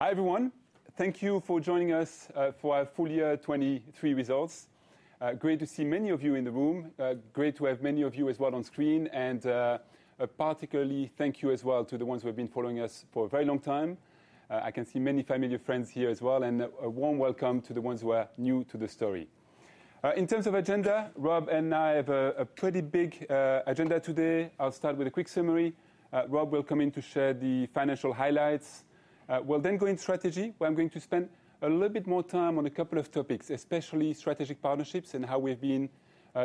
Hi everyone. Thank you for joining us for our full year 2023 results. Great to see many of you in the room. Great to have many of you as well on screen. And particularly, thank you as well to the ones who have been following us for a very long time. I can see many familiar friends here as well. A warm welcome to the ones who are new to the story. In terms of agenda, Rob and I have a pretty big agenda today. I'll start with a quick summary. Rob will come in to share the financial highlights. We'll then go in strategy, where I'm going to spend a little bit more time on a couple of topics, especially strategic partnerships and how we've been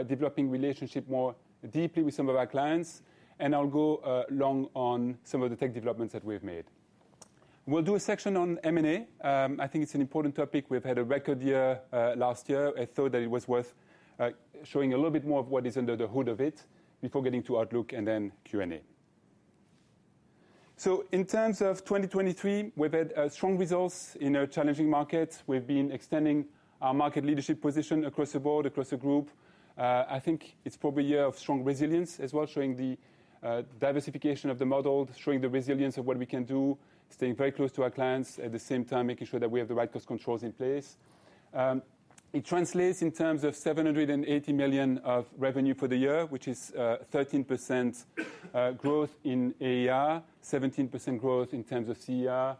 developing relationships more deeply with some of our clients. I'll go long on some of the tech developments that we've made. We'll do a section on M&A. I think it's an important topic. We've had a record year last year. I thought that it was worth showing a little bit more of what is under the hood of it before getting to Outlook and then Q&A. So in terms of 2023, we've had strong results in a challenging market. We've been extending our market leadership position across the board, across the group. I think it's probably a year of strong resilience as well, showing the diversification of the model, showing the resilience of what we can do, staying very close to our clients, at the same time making sure that we have the right cost controls in place. It translates in terms of $780 million of revenue for the year, which is 13% growth in AER, 17% growth in terms of CER.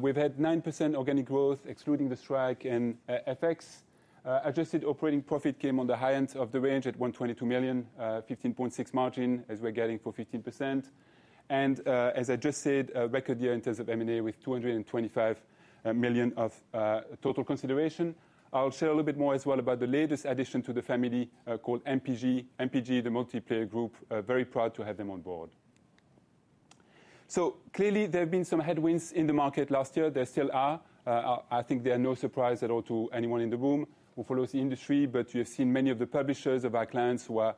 We've had 9% organic growth, excluding the strike and FX. Adjusted operating profit came on the high end of the range at $122 million, 15.6% margin, as we're getting for 15%. And as I just said, a record year in terms of M&A with $225 million of total consideration. I'll share a little bit more as well about the latest addition to the family called MPG, MPG, the Multiplayer Group. Very proud to have them on board. So clearly, there have been some headwinds in the market last year. There still are. I think they are no surprise at all to anyone in the room who follows the industry. But you have seen many of the publishers of our clients who are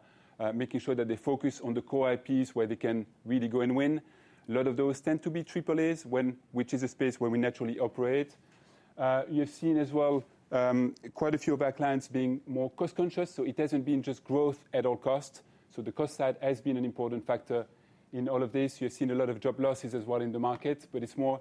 making sure that they focus on the core IPs where they can really go and win. A lot of those tend to be AAAs, which is a space where we naturally operate. You have seen as well quite a few of our clients being more cost conscious. So it hasn't been just growth at all costs. So the cost side has been an important factor in all of this. You have seen a lot of job losses as well in the market. But it's more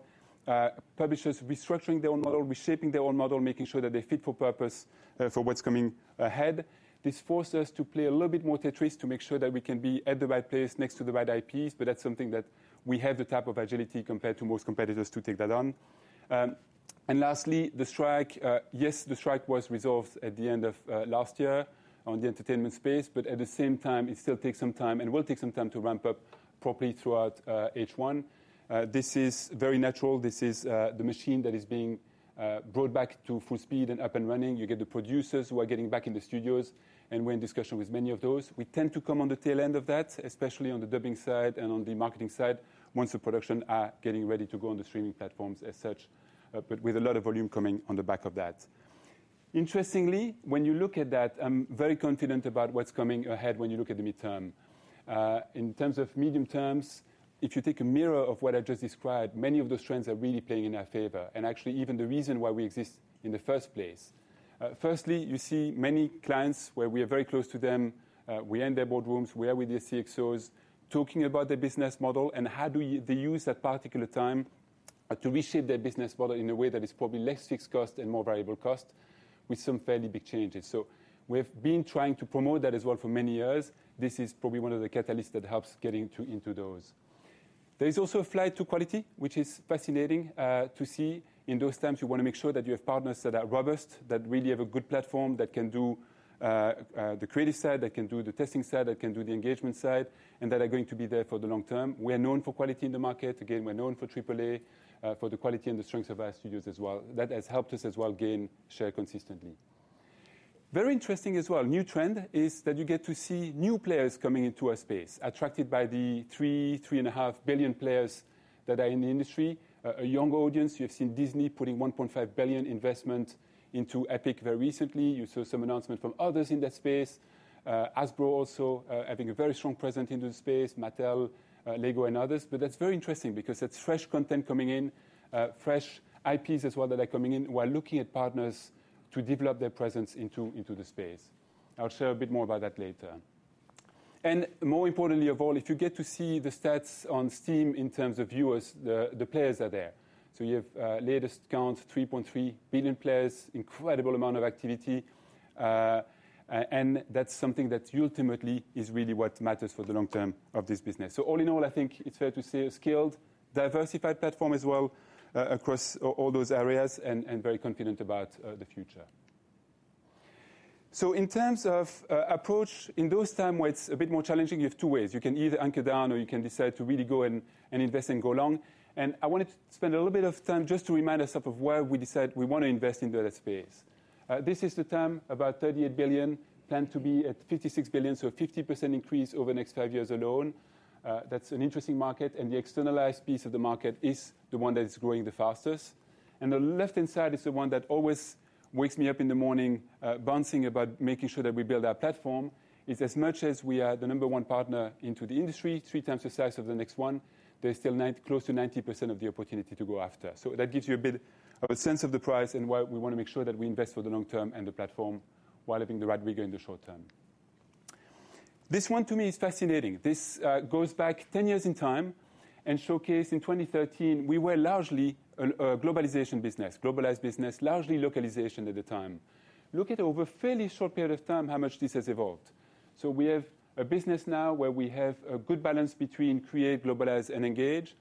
publishers restructuring their own model, reshaping their own model, making sure that they're fit for purpose for what's coming ahead. This forced us to play a little bit more Tetris to make sure that we can be at the right place next to the right IPs. But that's something that we have the type of agility compared to most competitors to take that on. And lastly, the strike. Yes, the strike was resolved at the end of last year on the entertainment space. At the same time, it still takes some time and will take some time to ramp up properly throughout H1. This is very natural. This is the machine that is being brought back to full speed and up and running. You get the producers who are getting back in the studios and we're in discussion with many of those. We tend to come on the tail end of that, especially on the dubbing side and on the marketing side, once the productions are getting ready to go on the streaming platforms as such, but with a lot of volume coming on the back of that. Interestingly, when you look at that, I'm very confident about what's coming ahead when you look at the midterm. In terms of medium terms, if you take a mirror of what I just described, many of those trends are really playing in our favor, and actually even the reason why we exist in the first place. Firstly, you see many clients where we are very close to them. We're in their boardrooms. We're with their CXOs talking about their business model. And how do they use that particular time to reshape their business model in a way that is probably less fixed cost and more variable cost with some fairly big changes? So we have been trying to promote that as well for many years. This is probably one of the catalysts that helps getting into those. There is also a flight to quality, which is fascinating to see. In those times, you want to make sure that you have partners that are robust, that really have a good platform, that can do the creative side, that can do the testing side, that can do the engagement side, and that are going to be there for the long term. We are known for quality in the market. Again, we're known for AAA, for the quality and the strengths of our studios as well. That has helped us as well gain share consistently. Very interesting as well, new trend is that you get to see new players coming into our space, attracted by the 3.5 billion players that are in the industry, a young audience. You have seen Disney putting $1.5 billion investment into Epic very recently. You saw some announcement from others in that space, Hasbro also having a very strong presence into the space, Mattel, Lego, and others. But that's very interesting because that's fresh content coming in, fresh IPs as well that are coming in while looking at partners to develop their presence into the space. I'll share a bit more about that later. And more importantly of all, if you get to see the stats on Steam in terms of viewers, the players are there. So you have latest count, $3.3 billion players, incredible amount of activity. And that's something that ultimately is really what matters for the long term of this business. So all in all, I think it's fair to say a skilled, diversified platform as well across all those areas and very confident about the future. So in terms of approach, in those times where it's a bit more challenging, you have two ways. You can either anchor down or you can decide to really go and invest and go long. I wanted to spend a little bit of time just to remind ourselves of why we decide we want to invest in the space. This is the time, about $38 billion, planned to be at $56 billion, so a 50% increase over the next five years alone. That's an interesting market. The externalized piece of the market is the one that is growing the fastest. The left-hand side is the one that always wakes me up in the morning bouncing about making sure that we build our platform. It's as much as we are the number one partner into the industry, three times the size of the next one. There's still close to 90% of the opportunity to go after. So that gives you a bit of a sense of the price and why we want to make sure that we invest for the long term and the platform while having the right rigor in the short term. This one, to me, is fascinating. This goes back 10 years in time and showcases in 2013, we were largely a globalization business, globalized business, largely localization at the time. Look at over a fairly short period of time how much this has evolved. So we have a business now where we have a good balance between Create, Globalize, and Engage,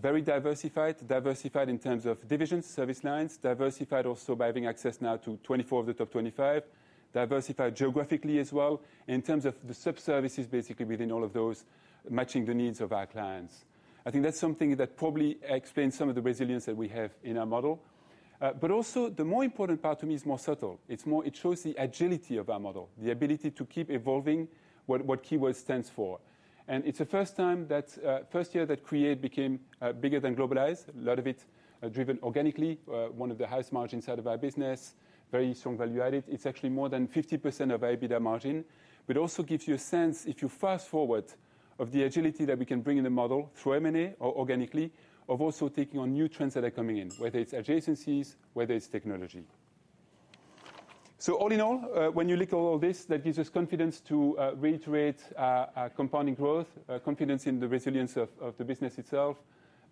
very diversified, diversified in terms of divisions, service lines, diversified also by having access now to 24 of the top 25, diversified geographically as well in terms of the subservices basically within all of those, matching the needs of our clients. I think that's something that probably explains some of the resilience that we have in our model. But also, the more important part to me is more subtle. It shows the agility of our model, the ability to keep evolving what Keywords stands for. And it's the first year that Create became bigger than Globalize, a lot of it driven organically, one of the highest margins out of our business, very strong value added. It's actually more than 50% of our EBITDA margin. But it also gives you a sense, if you fast forward, of the agility that we can bring in the model through M&A or organically of also taking on new trends that are coming in, whether it's adjacencies, whether it's technology. So all in all, when you look at all this, that gives us confidence to reiterate compounding growth, confidence in the resilience of the business itself.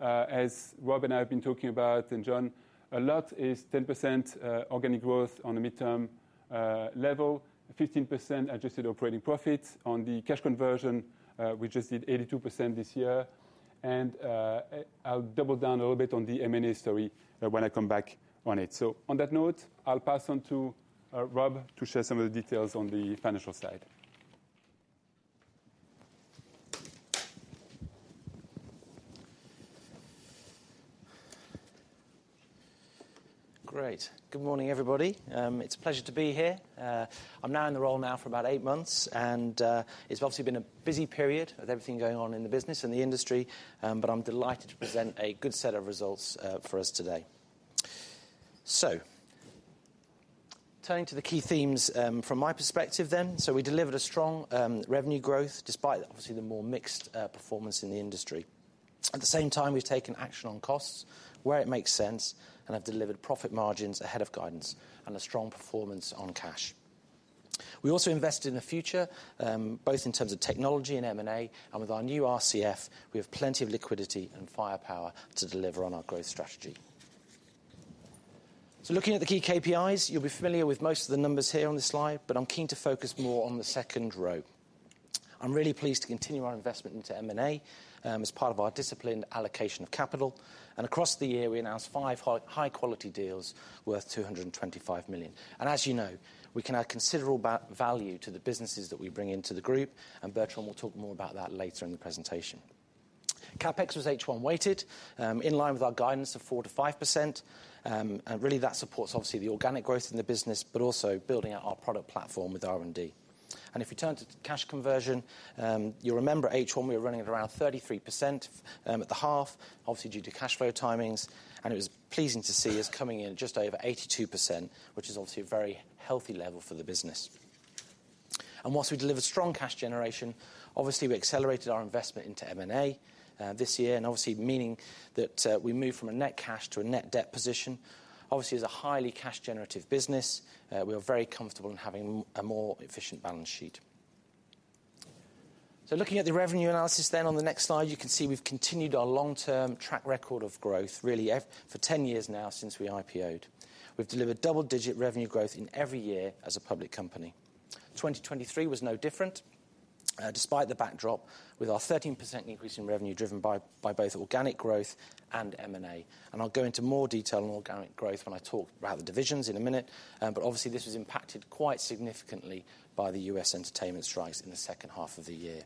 As Rob and I have been talking about and Jon a lot, it's 10% organic growth on a midterm level, 15% adjusted operating profit. On the cash conversion, we just did 82% this year. And I'll double down a little bit on the M&A story when I come back on it. So on that note, I'll pass on to Rob to share some of the details on the financial side. Great. Good morning, everybody. It's a pleasure to be here. I'm now in the role now for about eight months. It's obviously been a busy period with everything going on in the business and the industry. I'm delighted to present a good set of results for us today. Turning to the key themes from my perspective then, so we delivered a strong revenue growth despite obviously the more mixed performance in the industry. At the same time, we've taken action on costs where it makes sense and have delivered profit margins ahead of guidance and a strong performance on cash. We also invested in the future, both in terms of technology and M&A. With our new RCF, we have plenty of liquidity and firepower to deliver on our growth strategy. So looking at the key KPIs, you'll be familiar with most of the numbers here on this slide. But I'm keen to focus more on the second row. I'm really pleased to continue our investment into M&A as part of our disciplined allocation of capital. And across the year, we announced five high-quality deals worth $225 million. And as you know, we can add considerable value to the businesses that we bring into the group. And Bertrand will talk more about that later in the presentation. CapEx was H1 weighted, in line with our guidance of 4%-5%. And really, that supports obviously the organic growth in the business, but also building out our product platform with R&D. And if you turn to cash conversion, you'll remember H1, we were running at around 33% at the half, obviously due to cash flow timings. It was pleasing to see us coming in at just over 82%, which is obviously a very healthy level for the business. And while we delivered strong cash generation, obviously, we accelerated our investment into M&A this year, and obviously meaning that we moved from a net cash to a net debt position. Obviously, as a highly cash-generative business, we are very comfortable in having a more efficient balance sheet. So looking at the revenue analysis then on the next slide, you can see we've continued our long-term track record of growth really for 10 years now since we IPOed. We've delivered double-digit revenue growth in every year as a public company. 2023 was no different despite the backdrop with our 13% increase in revenue driven by both organic growth and M&A. I'll go into more detail on organic growth when I talk about the divisions in a minute. Obviously, this was impacted quite significantly by the US entertainment strikes in the second half of the year.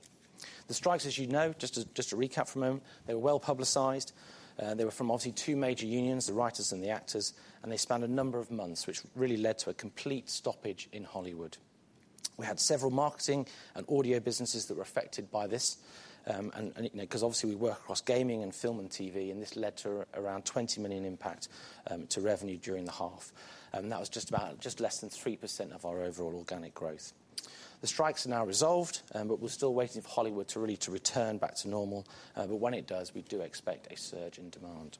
The strikes, as you know, just to recap for a moment, they were well publicized. They were from obviously two major unions, the writers and the actors. They spanned a number of months, which really led to a complete stoppage in Hollywood. We had several marketing and audio businesses that were affected by this because obviously, we work across gaming and film and TV. This led to around $20 million impact to revenue during the half. That was just about just less than 3% of our overall organic growth. The strikes are now resolved. We're still waiting for Hollywood to really return back to normal. But when it does, we do expect a surge in demand.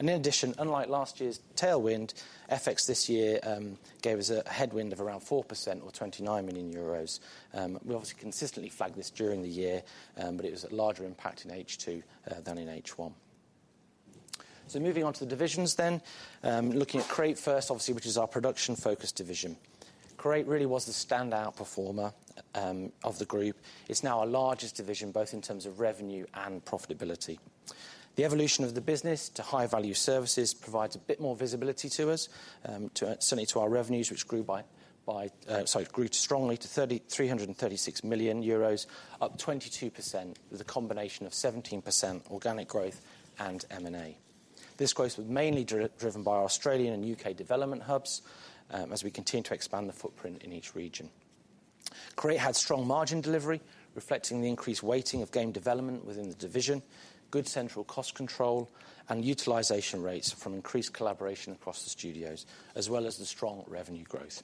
In addition, unlike last year's tailwind, FX this year gave us a headwind of around 4% or 29 million euros. We obviously consistently flagged this during the year. But it was a larger impact in H2 than in H1. Moving on to the divisions then, looking at Create first, obviously, which is our production-focused division. Create really was the standout performer of the group. It's now our largest division both in terms of revenue and profitability. The evolution of the business to high-value services provides a bit more visibility to us, certainly to our revenues, which grew by sorry, grew strongly to 336 million euros, up 22% with a combination of 17% organic growth and M&A. This growth was mainly driven by Australian and UK development hubs as we continue to expand the footprint in each region. Create had strong margin delivery, reflecting the increased weighting of game development within the division, good central cost control, and utilization rates from increased collaboration across the studios, as well as the strong revenue growth.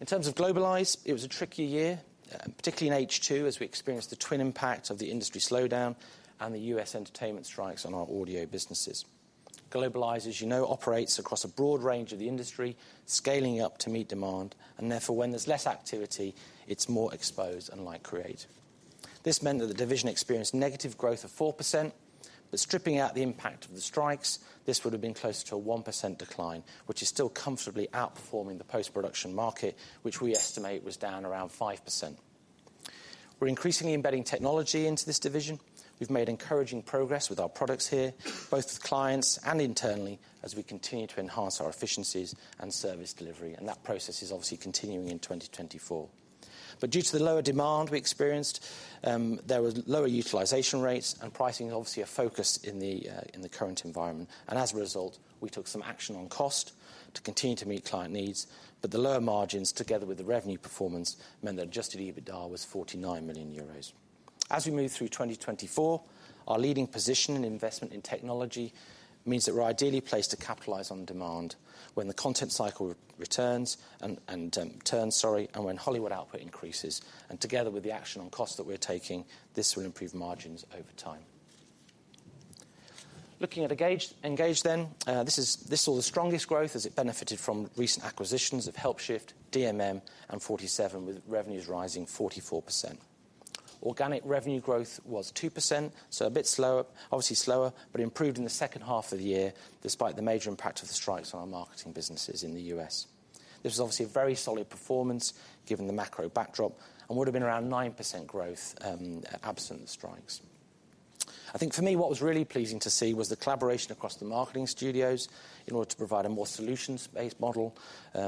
In terms of Globalize, it was a trickier year, particularly in H2 as we experienced the twin impact of the industry slowdown and the US entertainment strikes on our audio businesses. Globalize, as you know, operates across a broad range of the industry, scaling up to meet demand. And therefore, when there's less activity, it's more exposed unlike Create. This meant that the division experienced negative growth of 4%. But stripping out the impact of the strikes, this would have been closer to a 1% decline, which is still comfortably outperforming the post-production market, which we estimate was down around 5%. We're increasingly embedding technology into this division. We've made encouraging progress with our products here, both with clients and internally, as we continue to enhance our efficiencies and service delivery. That process is obviously continuing in 2024. Due to the lower demand we experienced, there were lower utilization rates. Pricing is obviously a focus in the current environment. As a result, we took some action on cost to continue to meet client needs. The lower margins, together with the revenue performance, meant that Adjusted EBITDA was 49 million euros. As we move through 2024, our leading position and investment in technology means that we're ideally placed to capitalize on demand when the content cycle returns and turns, sorry, and when Hollywood output increases. Together with the action on cost that we're taking, this will improve margins over time. Looking at Engage then, this saw the strongest growth as it benefited from recent acquisitions of Helpshift, DMM, and fortyseven, with revenues rising 44%. Organic revenue growth was 2%, so a bit slower, obviously slower, but improved in the second half of the year despite the major impact of the strikes on our marketing businesses in the U.S. This was obviously a very solid performance given the macro backdrop and would have been around 9% growth absent the strikes. I think for me, what was really pleasing to see was the collaboration across the marketing studios in order to provide a more solutions-based model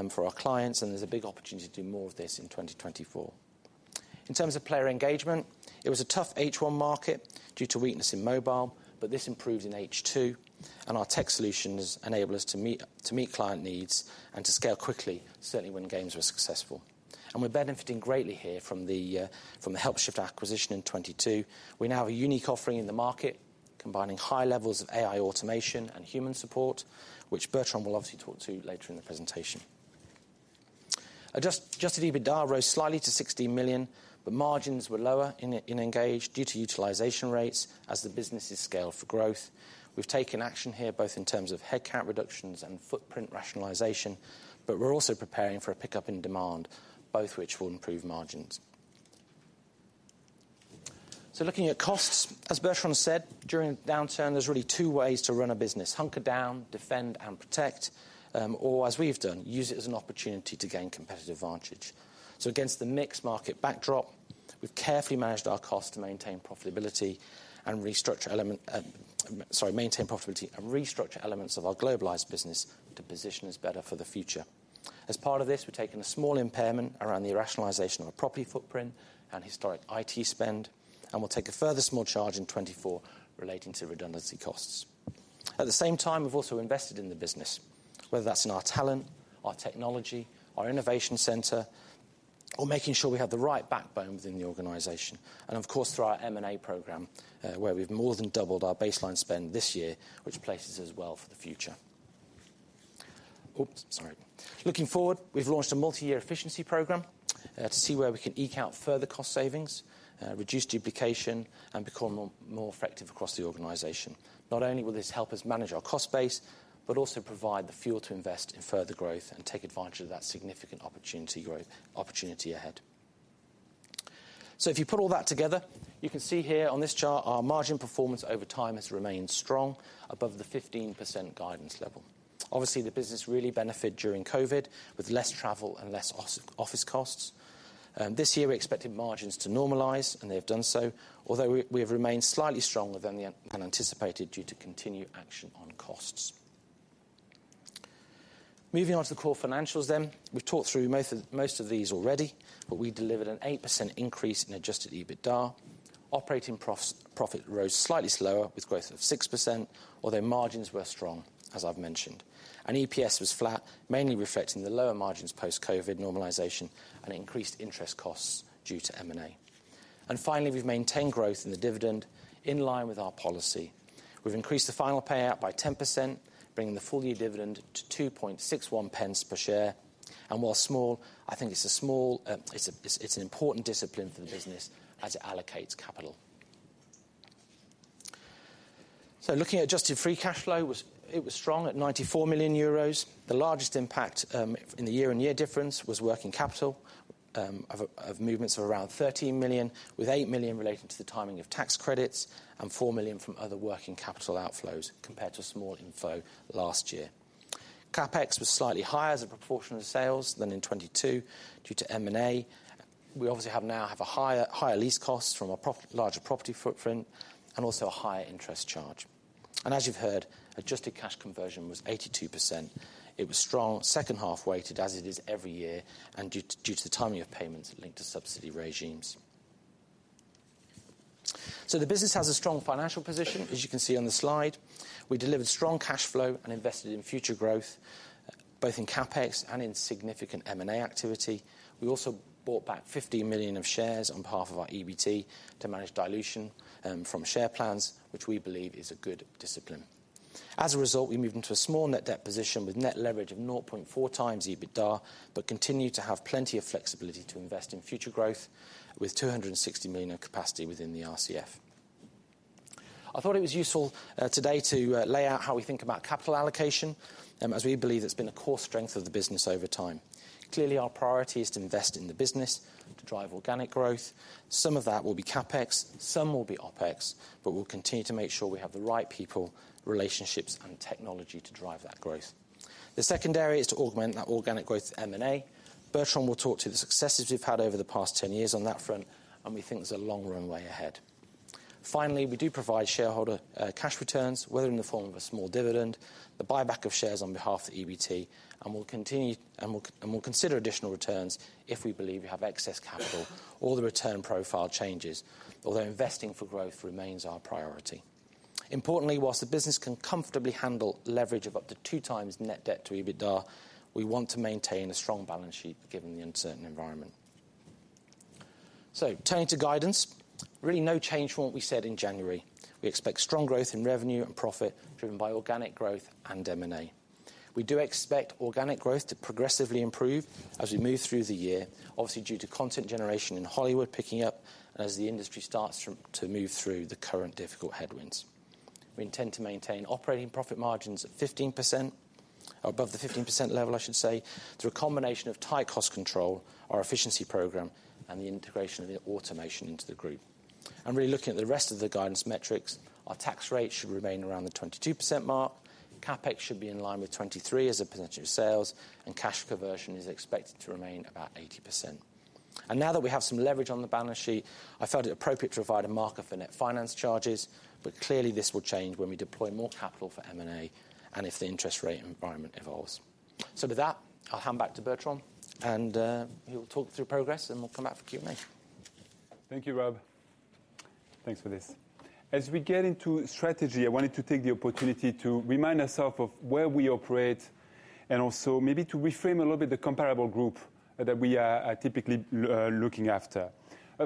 for our clients. And there's a big opportunity to do more of this in 2024. In terms of player engagement, it was a tough H1 market due to weakness in mobile. But this improves in H2. Our tech solutions enable us to meet client needs and to scale quickly, certainly when games were successful. We're benefiting greatly here from the Helpshift acquisition in 2022. We now have a unique offering in the market combining high levels of AI automation and human support, which Bertrand will obviously talk to later in the presentation. Adjusted EBITDA rose slightly to $16 million. Margins were lower in Engage due to utilization rates as the businesses scaled for growth. We've taken action here both in terms of headcount reductions and footprint rationalization. We're also preparing for a pickup in demand, both which will improve margins. Looking at costs, as Bertrand said, during the downturn, there's really two ways to run a business: anchor down, defend, and protect, or as we have done, use it as an opportunity to gain competitive advantage. So against the mixed market backdrop, we've carefully managed our costs to maintain profitability and restructure elements of our globalized business to position us better for the future. As part of this, we've taken a small impairment around the rationalization of our property footprint and historic IT spend. And we'll take a further small charge in 2024 relating to redundancy costs. At the same time, we've also invested in the business, whether that's in our talent, our technology, our innovation center, or making sure we have the right backbone within the organization. And of course, through our M&A program, where we've more than doubled our baseline spend this year, which places us well for the future. Oops, sorry. Looking forward, we've launched a multi-year efficiency program to see where we can eke out further cost savings, reduce duplication, and become more effective across the organization. Not only will this help us manage our cost base, but also provide the fuel to invest in further growth and take advantage of that significant opportunity ahead. So if you put all that together, you can see here on this chart, our margin performance over time has remained strong above the 15% guidance level. Obviously, the business really benefited during COVID with less travel and less office costs. This year, we expected margins to normalize. And they have done so, although we have remained slightly stronger than anticipated due to continued action on costs. Moving on to the core financials then, we've talked through most of these already. But we delivered an 8% increase in Adjusted EBITDA. Operating profit rose slightly slower with growth of 6%, although margins were strong, as I've mentioned. EPS was flat, mainly reflecting the lower margins post-COVID normalization and increased interest costs due to M&A. Finally, we've maintained growth in the dividend in line with our policy. We've increased the final payout by 10%, bringing the full-year dividend to 2.61 per share. While small, I think it's an important discipline for the business as it allocates capital. Looking at adjusted free cash flow, it was strong at 94 million euros. The largest impact in the year-on-year difference was working capital of movements of around 13 million, with 8 million relating to the timing of tax credits and 4 million from other working capital outflows compared to small inflow last year. CapEx was slightly higher as a proportion of sales than in 2022 due to M&A. We obviously now have a higher lease cost from a larger property footprint and also a higher interest charge. As you've heard, adjusted cash conversion was 82%. It was strong, second-half weighted, as it is every year, and due to the timing of payments linked to subsidy regimes. The business has a strong financial position, as you can see on the slide. We delivered strong cash flow and invested in future growth, both in CapEx and in significant M&A activity. We also bought back 15 million of shares on behalf of our EBT to manage dilution from share plans, which we believe is a good discipline. As a result, we moved into a small net debt position with net leverage of 0.4x EBITDA, but continue to have plenty of flexibility to invest in future growth with 260 million of capacity within the RCF. I thought it was useful today to lay out how we think about capital allocation, as we believe it's been a core strength of the business over time. Clearly, our priority is to invest in the business to drive organic growth. Some of that will be CapEx. Some will be OpEx. But we'll continue to make sure we have the right people, relationships, and technology to drive that growth. The second area is to augment that organic growth with M&A. Bertrand will talk to the successes we've had over the past 10 years on that front. And we think there's a long-run way ahead. Finally, we do provide shareholder cash returns, whether in the form of a small dividend, the buyback of shares on behalf of EBT. We'll consider additional returns if we believe we have excess capital or the return profile changes, although investing for growth remains our priority. Importantly, while the business can comfortably handle leverage of up to 2x net debt to EBITDA, we want to maintain a strong balance sheet given the uncertain environment. Turning to guidance, really no change from what we said in January. We expect strong growth in revenue and profit driven by organic growth and M&A. We do expect organic growth to progressively improve as we move through the year, obviously due to content generation in Hollywood picking up and as the industry starts to move through the current difficult headwinds. We intend to maintain operating profit margins at 15% or above the 15% level, I should say, through a combination of tight cost control, our efficiency program, and the integration of the automation into the group. And really looking at the rest of the guidance metrics, our tax rate should remain around the 22% mark. CapEx should be in line with 23% as a percentage of sales. And cash conversion is expected to remain about 80%. And now that we have some leverage on the balance sheet, I felt it appropriate to provide a marker for net finance charges. But clearly, this will change when we deploy more capital for M&A and if the interest rate environment evolves. So with that, I'll hand back to Bertrand. And he will talk through progress. And we'll come back for Q&A. Thank you, Rob. Thanks for this. As we get into strategy, I wanted to take the opportunity to remind ourselves of where we operate and also maybe to reframe a little bit the comparable group that we are typically looking after.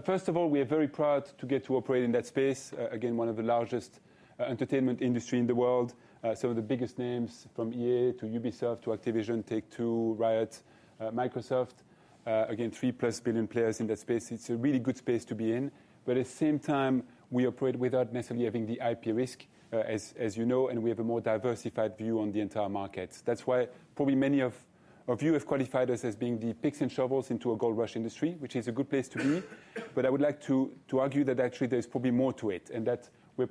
First of all, we are very proud to get to operate in that space, again, one of the largest entertainment industries in the world, some of the biggest names from EA to Ubisoft to Activision, Take-Two, Riot, Microsoft, again, 3+ billion players in that space. It's a really good space to be in. But at the same time, we operate without necessarily having the IP risk, as you know. And we have a more diversified view on the entire market. That's why probably many of you have qualified us as being the picks and shovels into a gold rush industry, which is a good place to be. But I would like to argue that, actually, there's probably more to it and that we're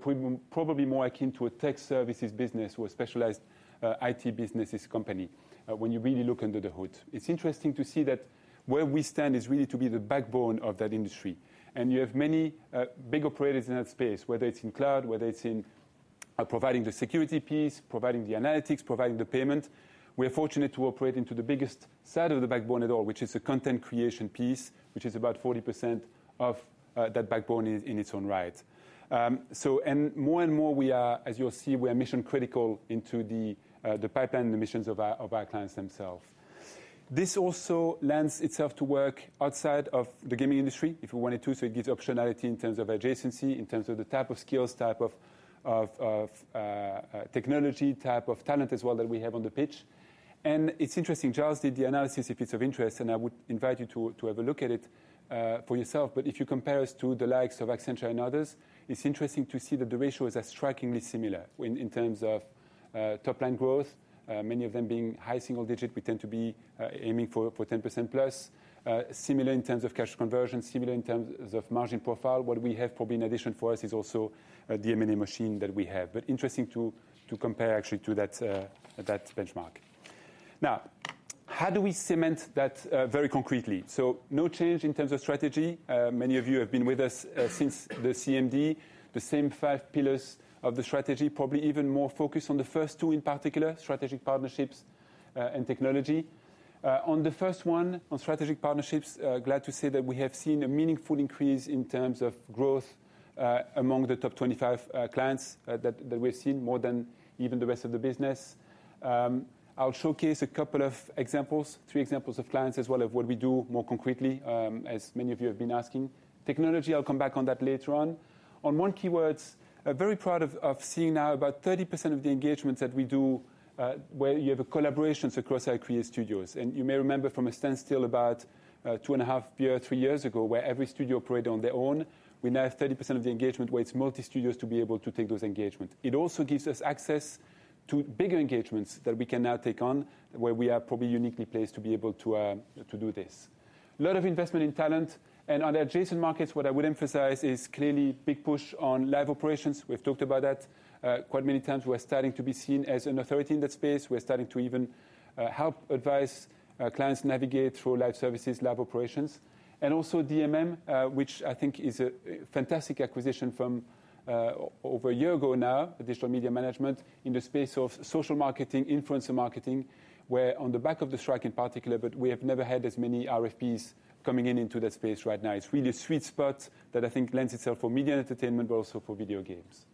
probably more akin to a tech services business or a specialized IT businesses company when you really look under the hood. It's interesting to see that where we stand is really to be the backbone of that industry. And you have many big operators in that space, whether it's in cloud, whether it's in providing the security piece, providing the analytics, providing the payment. We are fortunate to operate into the biggest side of the backbone at all, which is the content creation piece, which is about 40% of that backbone in its own right. And more and more, as you'll see, we are mission-critical into the pipeline and the missions of our clients themselves. This also lends itself to work outside of the gaming industry if we wanted to. So it gives optionality in terms of adjacency, in terms of the type of skills, type of technology, type of talent as well that we have on the pitch. And it's interesting. Giles did the analysis, if it's of interest. And I would invite you to have a look at it for yourself. But if you compare us to the likes of Accenture and others, it's interesting to see that the ratio is strikingly similar in terms of top-line growth, many of them being high single digit. We tend to be aiming for 10%+, similar in terms of cash conversion, similar in terms of margin profile. What we have probably in addition for us is also the M&A machine that we have. But interesting to compare, actually, to that benchmark. Now, how do we cement that very concretely? So no change in terms of strategy. Many of you have been with us since the CMD, the same five pillars of the strategy, probably even more focused on the first two in particular, strategic partnerships and technology. On the first one, on strategic partnerships, glad to say that we have seen a meaningful increase in terms of growth among the top 25 clients that we have seen, more than even the rest of the business. I'll showcase a couple of examples, three examples of clients as well of what we do more concretely, as many of you have been asking. Technology, I'll come back on that later on. On One Keywords, very proud of seeing now about 30% of the engagements that we do where you have collaborations across Keywords Studios. You may remember from a standstill about two and a half years, three years ago, where every studio operated on their own. We now have 30% of the engagement where it's multi-studios to be able to take those engagements. It also gives us access to bigger engagements that we can now take on, where we are probably uniquely placed to be able to do this. A lot of investment in talent. On the adjacent markets, what I would emphasize is clearly big push on live operations. We've talked about that quite many times. We are starting to be seen as an authority in that space. We are starting to even help advise clients navigate through live services, live operations. Also DMM, which I think is a fantastic acquisition from over a year ago now, Digital Media Management, in the space of social marketing, influencer marketing, where on the back of the strike in particular but we have never had as many RFPs coming in into that space right now. It's really a sweet spot that I think lends itself for media entertainment, but also for video games.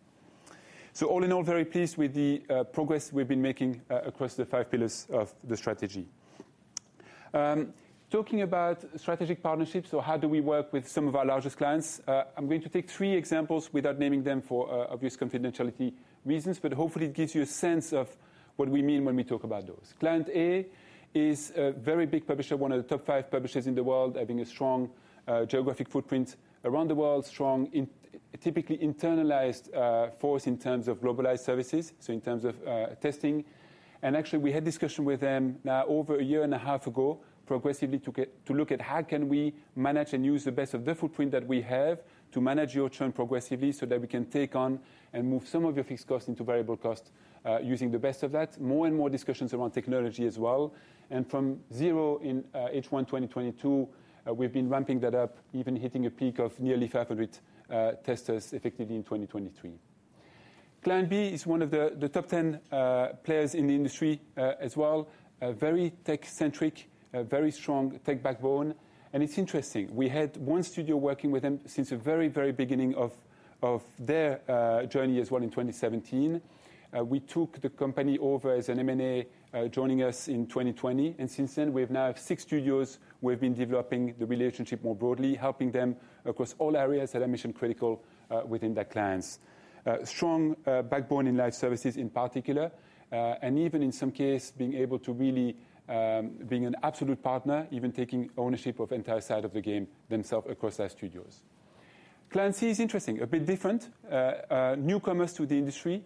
So all in all, very pleased with the progress we've been making across the five pillars of the strategy. Talking about strategic partnerships, so how do we work with some of our largest clients? I'm going to take three examples without naming them for obvious confidentiality reasons. But hopefully, it gives you a sense of what we mean when we talk about those. Client A is a very big publisher, one of the top five publishers in the world, having a strong geographic footprint around the world, strong, typically internalized force in terms of globalized services, so in terms of testing. Actually, we had discussion with them now over a year and a half ago, progressively, to look at how can we manage and use the best of the footprint that we have to manage your churn progressively so that we can take on and move some of your fixed costs into variable costs using the best of that, more and more discussions around technology as well. From zero in H1 2022, we've been ramping that up, even hitting a peak of nearly 500 testers effectively in 2023. Client B is one of the top 10 players in the industry as well, very tech-centric, very strong tech backbone. It's interesting. We had one studio working with them since the very, very beginning of their journey as well in 2017. We took the company over as an M&A, joining us in 2020. And since then, we have now six studios who have been developing the relationship more broadly, helping them across all areas that are mission-critical within that client's strong backbone in live services in particular, and even in some cases, being able to really be an absolute partner, even taking ownership of the entire side of the game themselves across their studios. Client C is interesting, a bit different, newcomers to the industry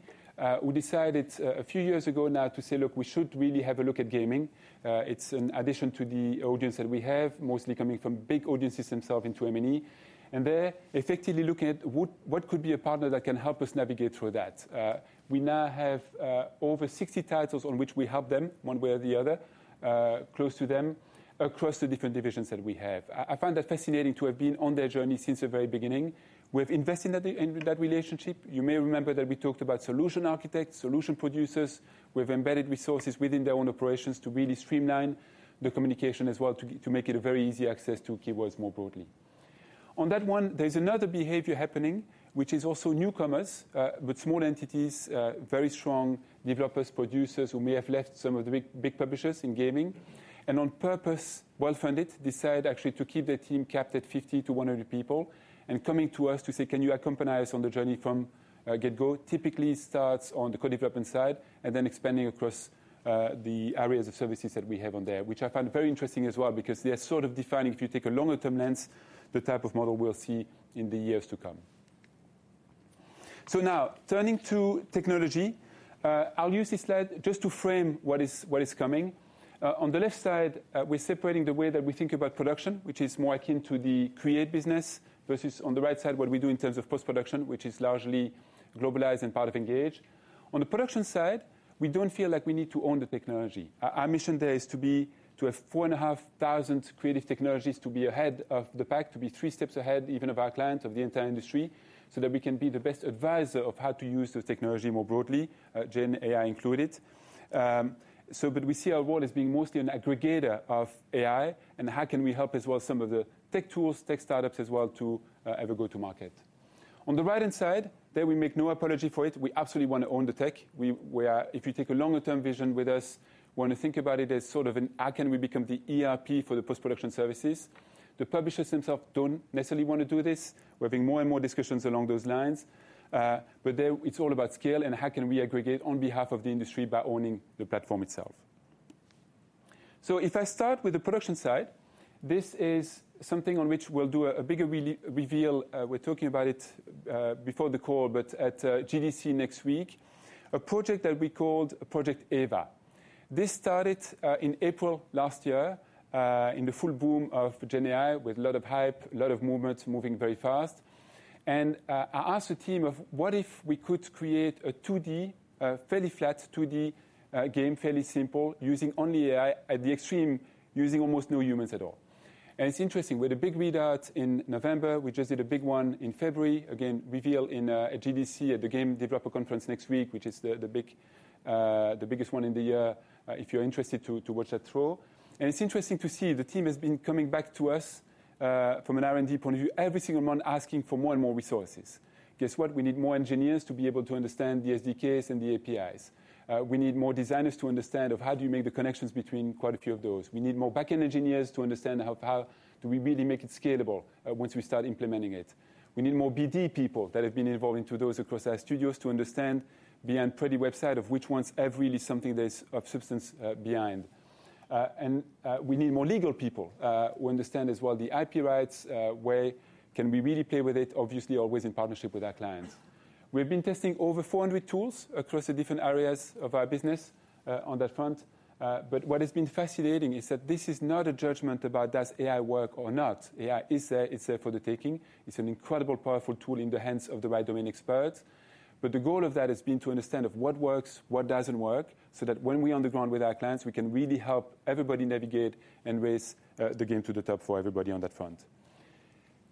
who decided a few years ago now to say, look, we should really have a look at gaming. It's an addition to the audience that we have, mostly coming from big audiences themselves into M&E. And they're effectively looking at what could be a partner that can help us navigate through that. We now have over 60 titles on which we help them one way or the other, close to them, across the different divisions that we have. I find that fascinating to have been on their journey since the very beginning. We have invested in that relationship. You may remember that we talked about solution architects, solution producers. We have embedded resources within their own operations to really streamline the communication as well, to make it a very easy access to Keywords more broadly. On that one, there's another behavior happening, which is also newcomers but small entities, very strong developers, producers who may have left some of the big publishers in gaming and on purpose well-funded decide, actually, to keep their team capped at 50-100 people and coming to us to say, can you accompany us on the journey from get-go? Typically, it starts on the co-development side and then expanding across the areas of services that we have on there, which I find very interesting as well because they are sort of defining, if you take a longer-term lens, the type of model we'll see in the years to come. So now, turning to technology, I'll use this slide just to frame what is coming. On the left side, we're separating the way that we think about production, which is more akin to the Create business versus on the right side, what we do in terms of post-production, which is largely globalized and part of Engage. On the production side, we don't feel like we need to own the technology. Our mission there is to have four and half thousand creative technologies to be ahead of the pack, to be three steps ahead even of our clients, of the entire industry, so that we can be the best advisor of how to use the technology more broadly, Gen AI included. But we see our role as being mostly an aggregator of AI. And how can we help as well some of the tech tools, tech startups as well, to ever go to market? On the right-hand side, there we make no apology for it. We absolutely want to own the tech. If you take a longer-term vision with us, we want to think about it as sort of an how can we become the ERP for the post-production services? The publishers themselves don't necessarily want to do this. We're having more and more discussions along those lines. But there, it's all about scale. And how can we aggregate on behalf of the industry by owning the platform itself? So if I start with the production side, this is something on which we'll do a bigger reveal. We're talking about it before the call, but at GDC next week, a project that we called Project Eva. This started in April last year in the full boom of Gen AI with a lot of hype, a lot of movement, moving very fast. And I asked the team, what if we could create a 2D, fairly flat 2D game, fairly simple, using only AI at the extreme, using almost no humans at all? And it's interesting. We had a big readout in November. We just did a big one in February, again, reveal at GDC, at the Game Developer Conference next week, which is the biggest one in the year, if you're interested to watch that show. It's interesting to see the team has been coming back to us from an R&D point of view every single month, asking for more and more resources. Guess what? We need more engineers to be able to understand the SDKs and the APIs. We need more designers to understand how do you make the connections between quite a few of those. We need more back-end engineers to understand how do we really make it scalable once we start implementing it. We need more BD people that have been involved in those across our studios to understand the pretty website or which ones have really something of substance behind. We need more legal people who understand as well the IP rights, where can we really play with it, obviously always in partnership with our clients. We have been testing over 400 tools across the different areas of our business on that front. But what has been fascinating is that this is not a judgment about does AI work or not. AI is there. It's there for the taking. It's an incredible, powerful tool in the hands of the right domain experts. But the goal of that has been to understand of what works, what doesn't work, so that when we're on the ground with our clients, we can really help everybody navigate and raise the game to the top for everybody on that front.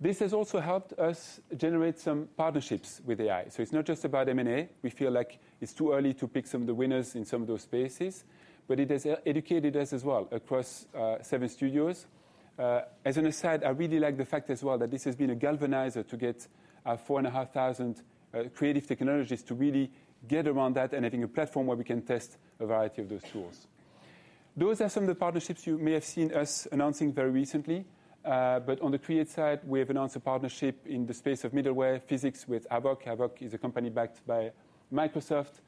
This has also helped us generate some partnerships with AI. So it's not just about M&A. We feel like it's too early to pick some of the winners in some of those spaces. But it has educated us as well across seven studios. As an aside, I really like the fact as well that this has been a galvanizer to get our four and half thousand creative technologies to really get around that and having a platform where we can test a variety of those tools. Those are some of the partnerships you may have seen us announcing very recently. But on the create side, we have announced a partnership in the space of middleware physics with Havok. Havok is a company backed by Microsoft.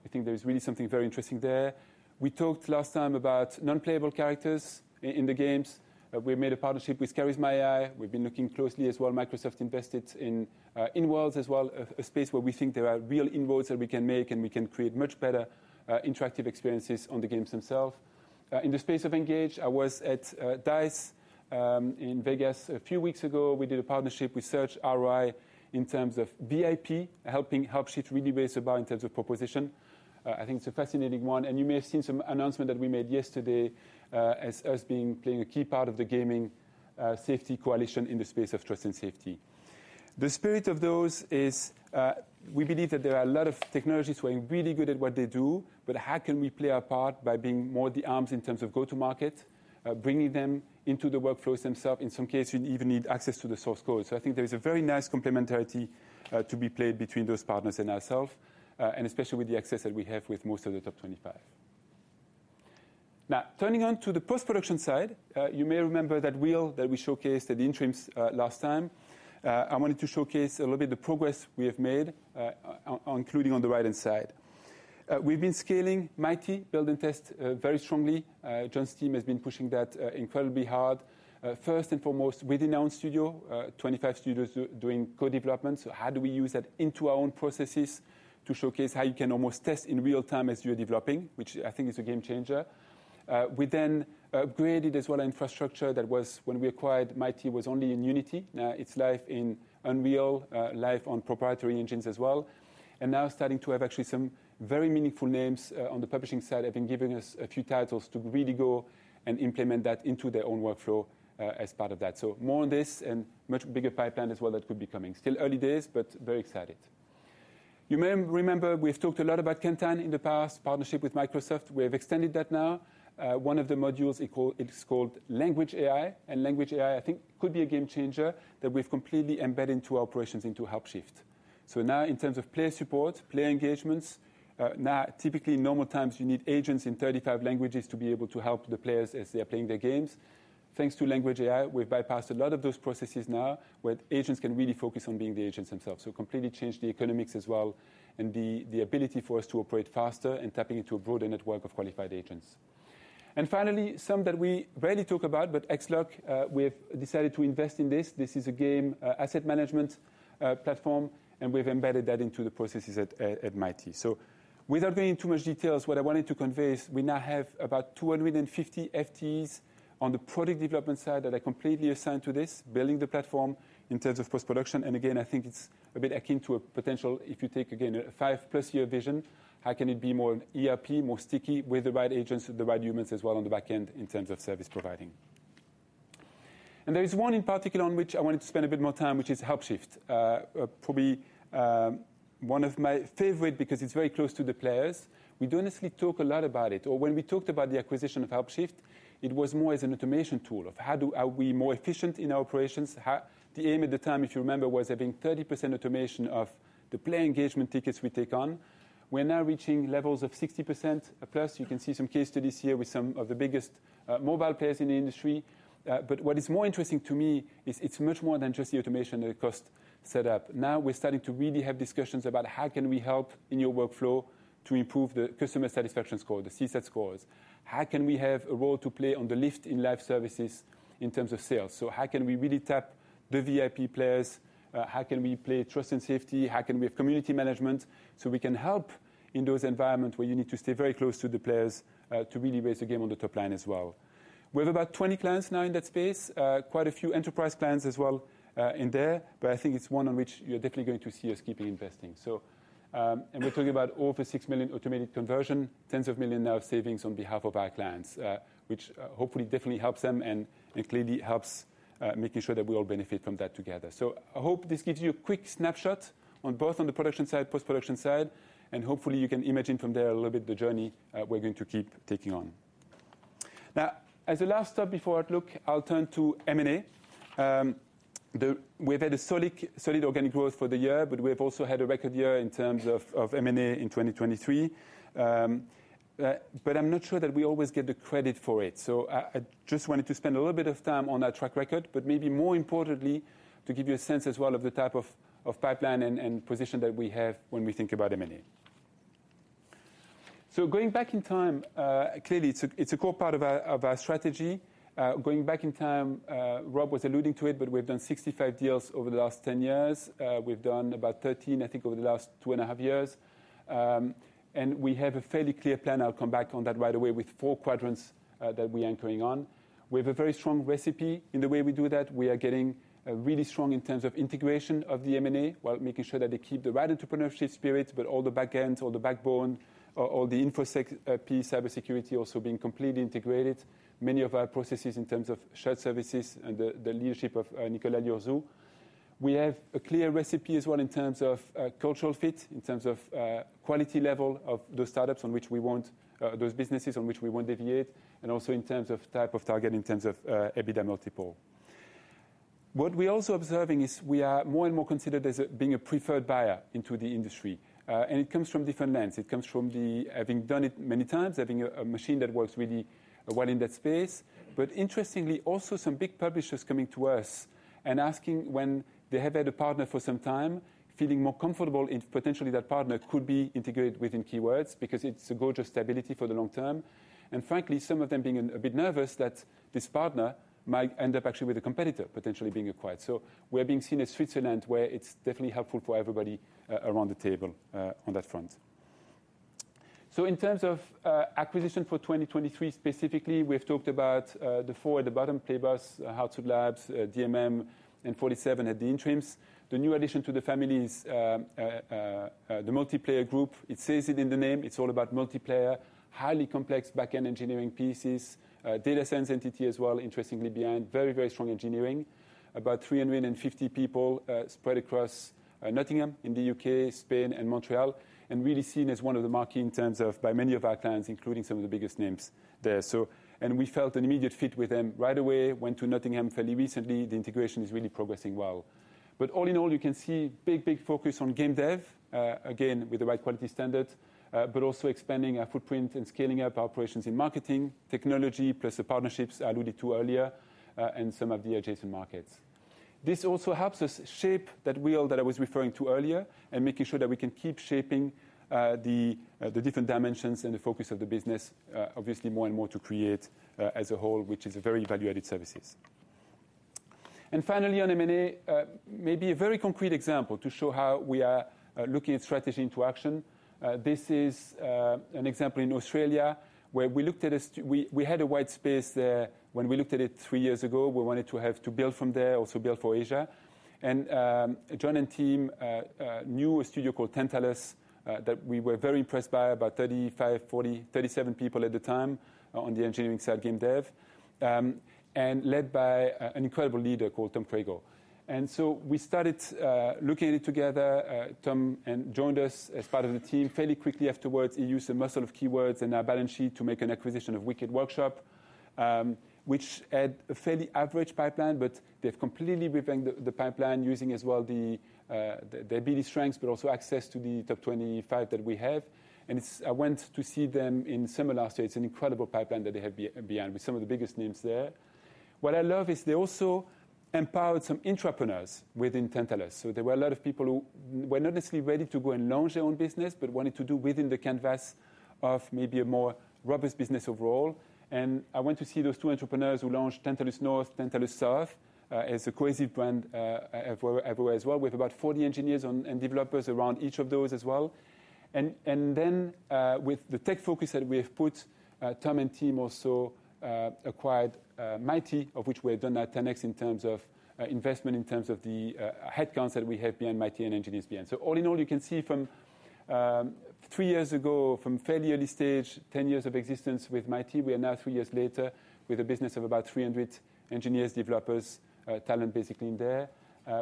We think there is really something very interesting there. We talked last time about non-playable characters in the games. We have made a partnership with Charisma AI. We've been looking closely as well. Microsoft invested in Inworld as well, a space where we think there are real inroads that we can make. And we can create much better interactive experiences on the games themselves. In the space of Engage, I was at DICE in Las Vegas a few weeks ago. We did a partnership with Search ROI in terms of VIP, helping Helpshift really raise the bar in terms of proposition. I think it's a fascinating one. And you may have seen some announcement that we made yesterday as us being playing a key part of the gaming safety coalition in the space of trust and safety. The spirit of those is we believe that there are a lot of technologies who are really good at what they do. But how can we play our part by being more the arms in terms of go-to-market, bringing them into the workflows themselves? In some cases, you even need access to the source code. So I think there is a very nice complementarity to be played between those partners and ourselves, and especially with the access that we have with most of the top 25. Now, turning to the post-production side, you may remember that wheel that we showcased at the Investor Day last time. I wanted to showcase a little bit the progress we have made, including on the right-hand side. We've been scaling Mighty, build and test very strongly. Jon's team has been pushing that incredibly hard. First and foremost, within our own studio, 25 studios doing co-development. So how do we use that into our own processes to showcase how you can almost test in real time as you're developing, which I think is a game changer. We then upgraded as well our infrastructure. That was when we acquired Mighty; it was only in Unity. Now, it's live in Unreal, live on proprietary engines as well. And now, starting to have actually some very meaningful names on the publishing side have been giving us a few titles to really go and implement that into their own workflow as part of that. So more on this and much bigger pipeline as well that could be coming. Still early days, but very excited. You may remember, we've talked a lot about Kantan in the past, partnership with Microsoft. We have extended that now. One of the modules, it's called Language AI. And Language AI, I think, could be a game changer that we've completely embedded into our operations, into Helpshift. So now, in terms of player support, player engagements, now, typically, in normal times, you need agents in 35 languages to be able to help the players as they are playing their games. Thanks to Language AI, we've bypassed a lot of those processes now where agents can really focus on being the agents themselves. So completely changed the economics as well and the ability for us to operate faster and tapping into a broader network of qualified agents. And finally, some that we rarely talk about, but XLOC, we have decided to invest in this. This is a game asset management platform. And we have embedded that into the processes at Mighty. So without going into too much details, what I wanted to convey is we now have about 250 FTEs on the product development side that are completely assigned to this, building the platform in terms of post-production. And again, I think it's a bit akin to a potential, if you take, again, a 5+ year vision, how can it be more ERP, more sticky with the right agents, the right humans as well on the back end in terms of service providing? There is one in particular on which I wanted to spend a bit more time, which is Helpshift, probably one of my favorites because it's very close to the players. We don't necessarily talk a lot about it. Or when we talked about the acquisition of Helpshift, it was more as an automation tool of how are we more efficient in our operations? The aim at the time, if you remember, was having 30% automation of the player engagement tickets we take on. We are now reaching levels of 60%+. You can see some case studies here with some of the biggest mobile players in the industry. But what is more interesting to me is it's much more than just the automation and the cost setup. Now, we're starting to really have discussions about how can we help in your workflow to improve the customer satisfaction score, the CSAT scores? How can we have a role to play on the lift in live services in terms of sales? So how can we really tap the VIP players? How can we play trust and safety? How can we have community management so we can help in those environments where you need to stay very close to the players to really raise the game on the top line as well? We have about 20 clients now in that space, quite a few enterprise clients as well in there. But I think it's one on which you're definitely going to see us keeping investing. And we're talking about over six million automated conversions, $ tens of millions in savings on behalf of our clients, which hopefully definitely helps them and clearly helps making sure that we all benefit from that together. So I hope this gives you a quick snapshot on both on the production side, post-production side. And hopefully, you can imagine from there a little bit the journey we're going to keep taking on. Now, as a last stop before Outlook, I'll turn to M&A. We have had a solid organic growth for the year. But we have also had a record year in terms of M&A in 2023. But I'm not sure that we always get the credit for it. So I just wanted to spend a little bit of time on our track record. But maybe more importantly, to give you a sense as well of the type of pipeline and position that we have when we think about M&A. So going back in time, clearly, it's a core part of our strategy. Going back in time, Rob was alluding to it. But we have done 65 deals over the last 10 years. We've done about 13, I think, over the last two and a half years. And we have a fairly clear plan. I'll come back on that right away with four quadrants that we're anchoring on. We have a very strong recipe in the way we do that. We are getting really strong in terms of integration of the M&A while making sure that they keep the right entrepreneurship spirits, but all the back ends, all the backbone, all the infosec piece, cybersecurity also being completely integrated, many of our processes in terms of shared services and the leadership of Nicolas Liozou. We have a clear recipe as well in terms of cultural fit, in terms of quality level of those startups on which we want those businesses on which we want to deviate, and also in terms of type of target, in terms of EBITDA multiple. What we're also observing is we are more and more considered as being a preferred buyer into the industry. It comes from different lens. It comes from having done it many times, having a machine that works really well in that space, but interestingly, also some big publishers coming to us and asking when they have had a partner for some time, feeling more comfortable if potentially that partner could be integrated within Keywords because it's a gorgeous stability for the long term. And frankly, some of them being a bit nervous that this partner might end up actually with a competitor potentially being acquired. So we are being seen as Switzerland where it's definitely helpful for everybody around the table on that front. So in terms of acquisition for 2023 specifically, we have talked about the four at the bottom, Playbus, Hardsuit Labs, DMM, and Fortyseven Communications. The new addition to the family is the Multiplayer Group. It says it in the name. It's all about multiplayer, highly complex back-end engineering pieces, data science entity as well, interestingly, behind very, very strong engineering, about 350 people spread across Nottingham in the UK, Spain, and Montreal, and really seen as one of the marquee in terms of by many of our clients, including some of the biggest names there. We felt an immediate fit with them right away, went to Nottingham fairly recently. The integration is really progressing well. But all in all, you can see big, big focus on game dev, again, with the right quality standards, but also expanding our footprint and scaling up our operations in marketing, technology, plus the partnerships I alluded to earlier, and some of the adjacent markets. This also helps us shape that wheel that I was referring to earlier and making sure that we can keep shaping the different dimensions and the focus of the business, obviously, more and more to Create as a whole, which is very value-added services. And finally, on M&A, maybe a very concrete example to show how we are looking at strategy into action. This is an example in Australia where we looked at a we had a white space there when we looked at it three years ago. We wanted to have to build from there, also build for Asia. And Jon and team knew a studio called Tantalus that we were very impressed by, about 35, 40, 37 people at the time on the engineering side, game dev, and led by an incredible leader called Tom Crago. And so we started looking at it together. Tom joined us as part of the team fairly quickly afterwards. He used a muscle of Keywords and our balance sheet to make an acquisition of Wicked Workshop, which had a fairly average pipeline. But they've completely revamped the pipeline using as well their ability strengths, but also access to the top 25 that we have. And I went to see them in South Australia. It's an incredible pipeline that they have behind with some of the biggest names there. What I love is they also empowered some intrapreneurs within Tantalus. So there were a lot of people who were not necessarily ready to go and launch their own business, but wanted to do within the canvas of maybe a more robust business overall. I went to see those two entrepreneurs who launched Tantalus North, Tantalus South as a cohesive brand everywhere as well, with about 40 engineers and developers around each of those as well. And then, with the tech focus that we have put, Tom and team also acquired Mighty, of which we have done our 10x in terms of investment, in terms of the headcounts that we have behind Mighty and engineers behind. So all in all, you can see from three years ago, from fairly early stage, 10 years of existence with Mighty, we are now three years later with a business of about 300 engineers, developers, talent basically in there,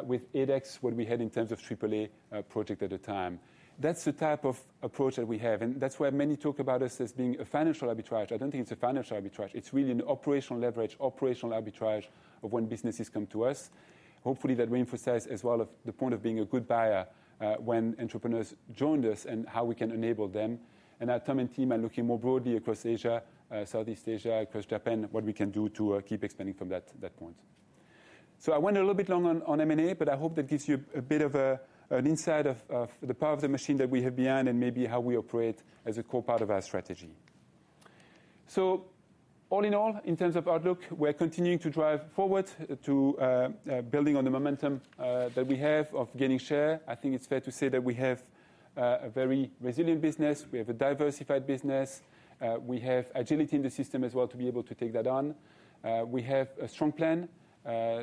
with 8x what we had in terms of AAA project at the time. That's the type of approach that we have. And that's why many talk about us as being a financial arbitrage. I don't think it's a financial arbitrage. It's really an operational leverage, operational arbitrage of when businesses come to us, hopefully that reemphasizes as well the point of being a good buyer when entrepreneurs joined us and how we can enable them. And now, Tom and team are looking more broadly across Asia, Southeast Asia, across Japan, what we can do to keep expanding from that point. So I went a little bit long on M&A. But I hope that gives you a bit of an insight of the power of the machine that we have behind and maybe how we operate as a core part of our strategy. So all in all, in terms of outlook, we are continuing to drive forward, building on the momentum that we have of gaining share. I think it's fair to say that we have a very resilient business. We have a diversified business. We have agility in the system as well to be able to take that on. We have a strong plan,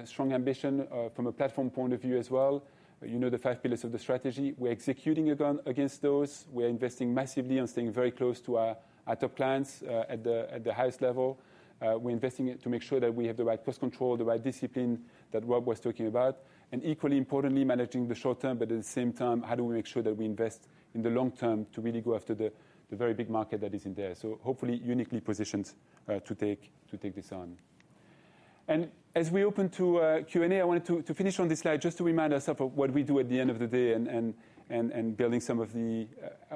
strong ambition from a platform point of view as well. You know the five pillars of the strategy. We're executing against those. We are investing massively on staying very close to our top clients at the highest level. We're investing to make sure that we have the right cost control, the right discipline that Rob was talking about, and equally importantly, managing the short term. But at the same time, how do we make sure that we invest in the long term to really go after the very big market that is in there, so hopefully uniquely positioned to take this on? As we open to Q&A, I wanted to finish on this slide just to remind ourselves of what we do at the end of the day and building some of the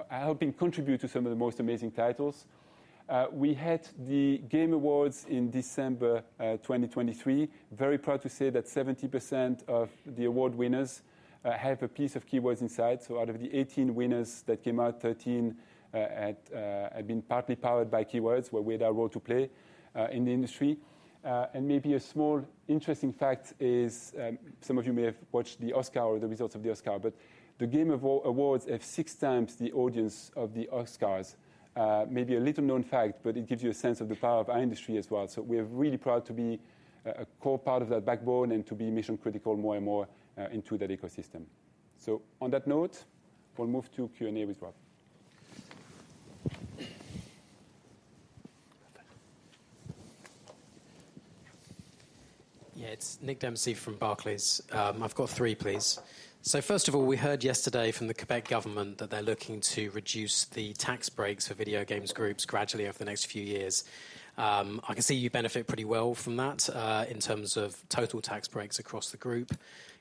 helping contribute to some of the most amazing titles. We had the Game Awards in December 2023. Very proud to say that 70% of the award winners have a piece of Keywords inside. So out of the 18 winners that came out, 13 had been partly powered by Keywords where we had our role to play in the industry. And maybe a small interesting fact is some of you may have watched the Oscars or the results of the Oscars. But the Game Awards have six times the audience of the Oscars, maybe a little known fact. But it gives you a sense of the power of our industry as well. So we are really proud to be a core part of that backbone and to be mission-critical more and more into that ecosystem. So on that note, we'll move to Q&A with Rob. Yeah. It's Nick Dempsey from Barclays. I've got three, please. So first of all, we heard yesterday from the Quebec government that they're looking to reduce the tax breaks for video games groups gradually over the next few years. I can see you benefit pretty well from that in terms of total tax breaks across the group.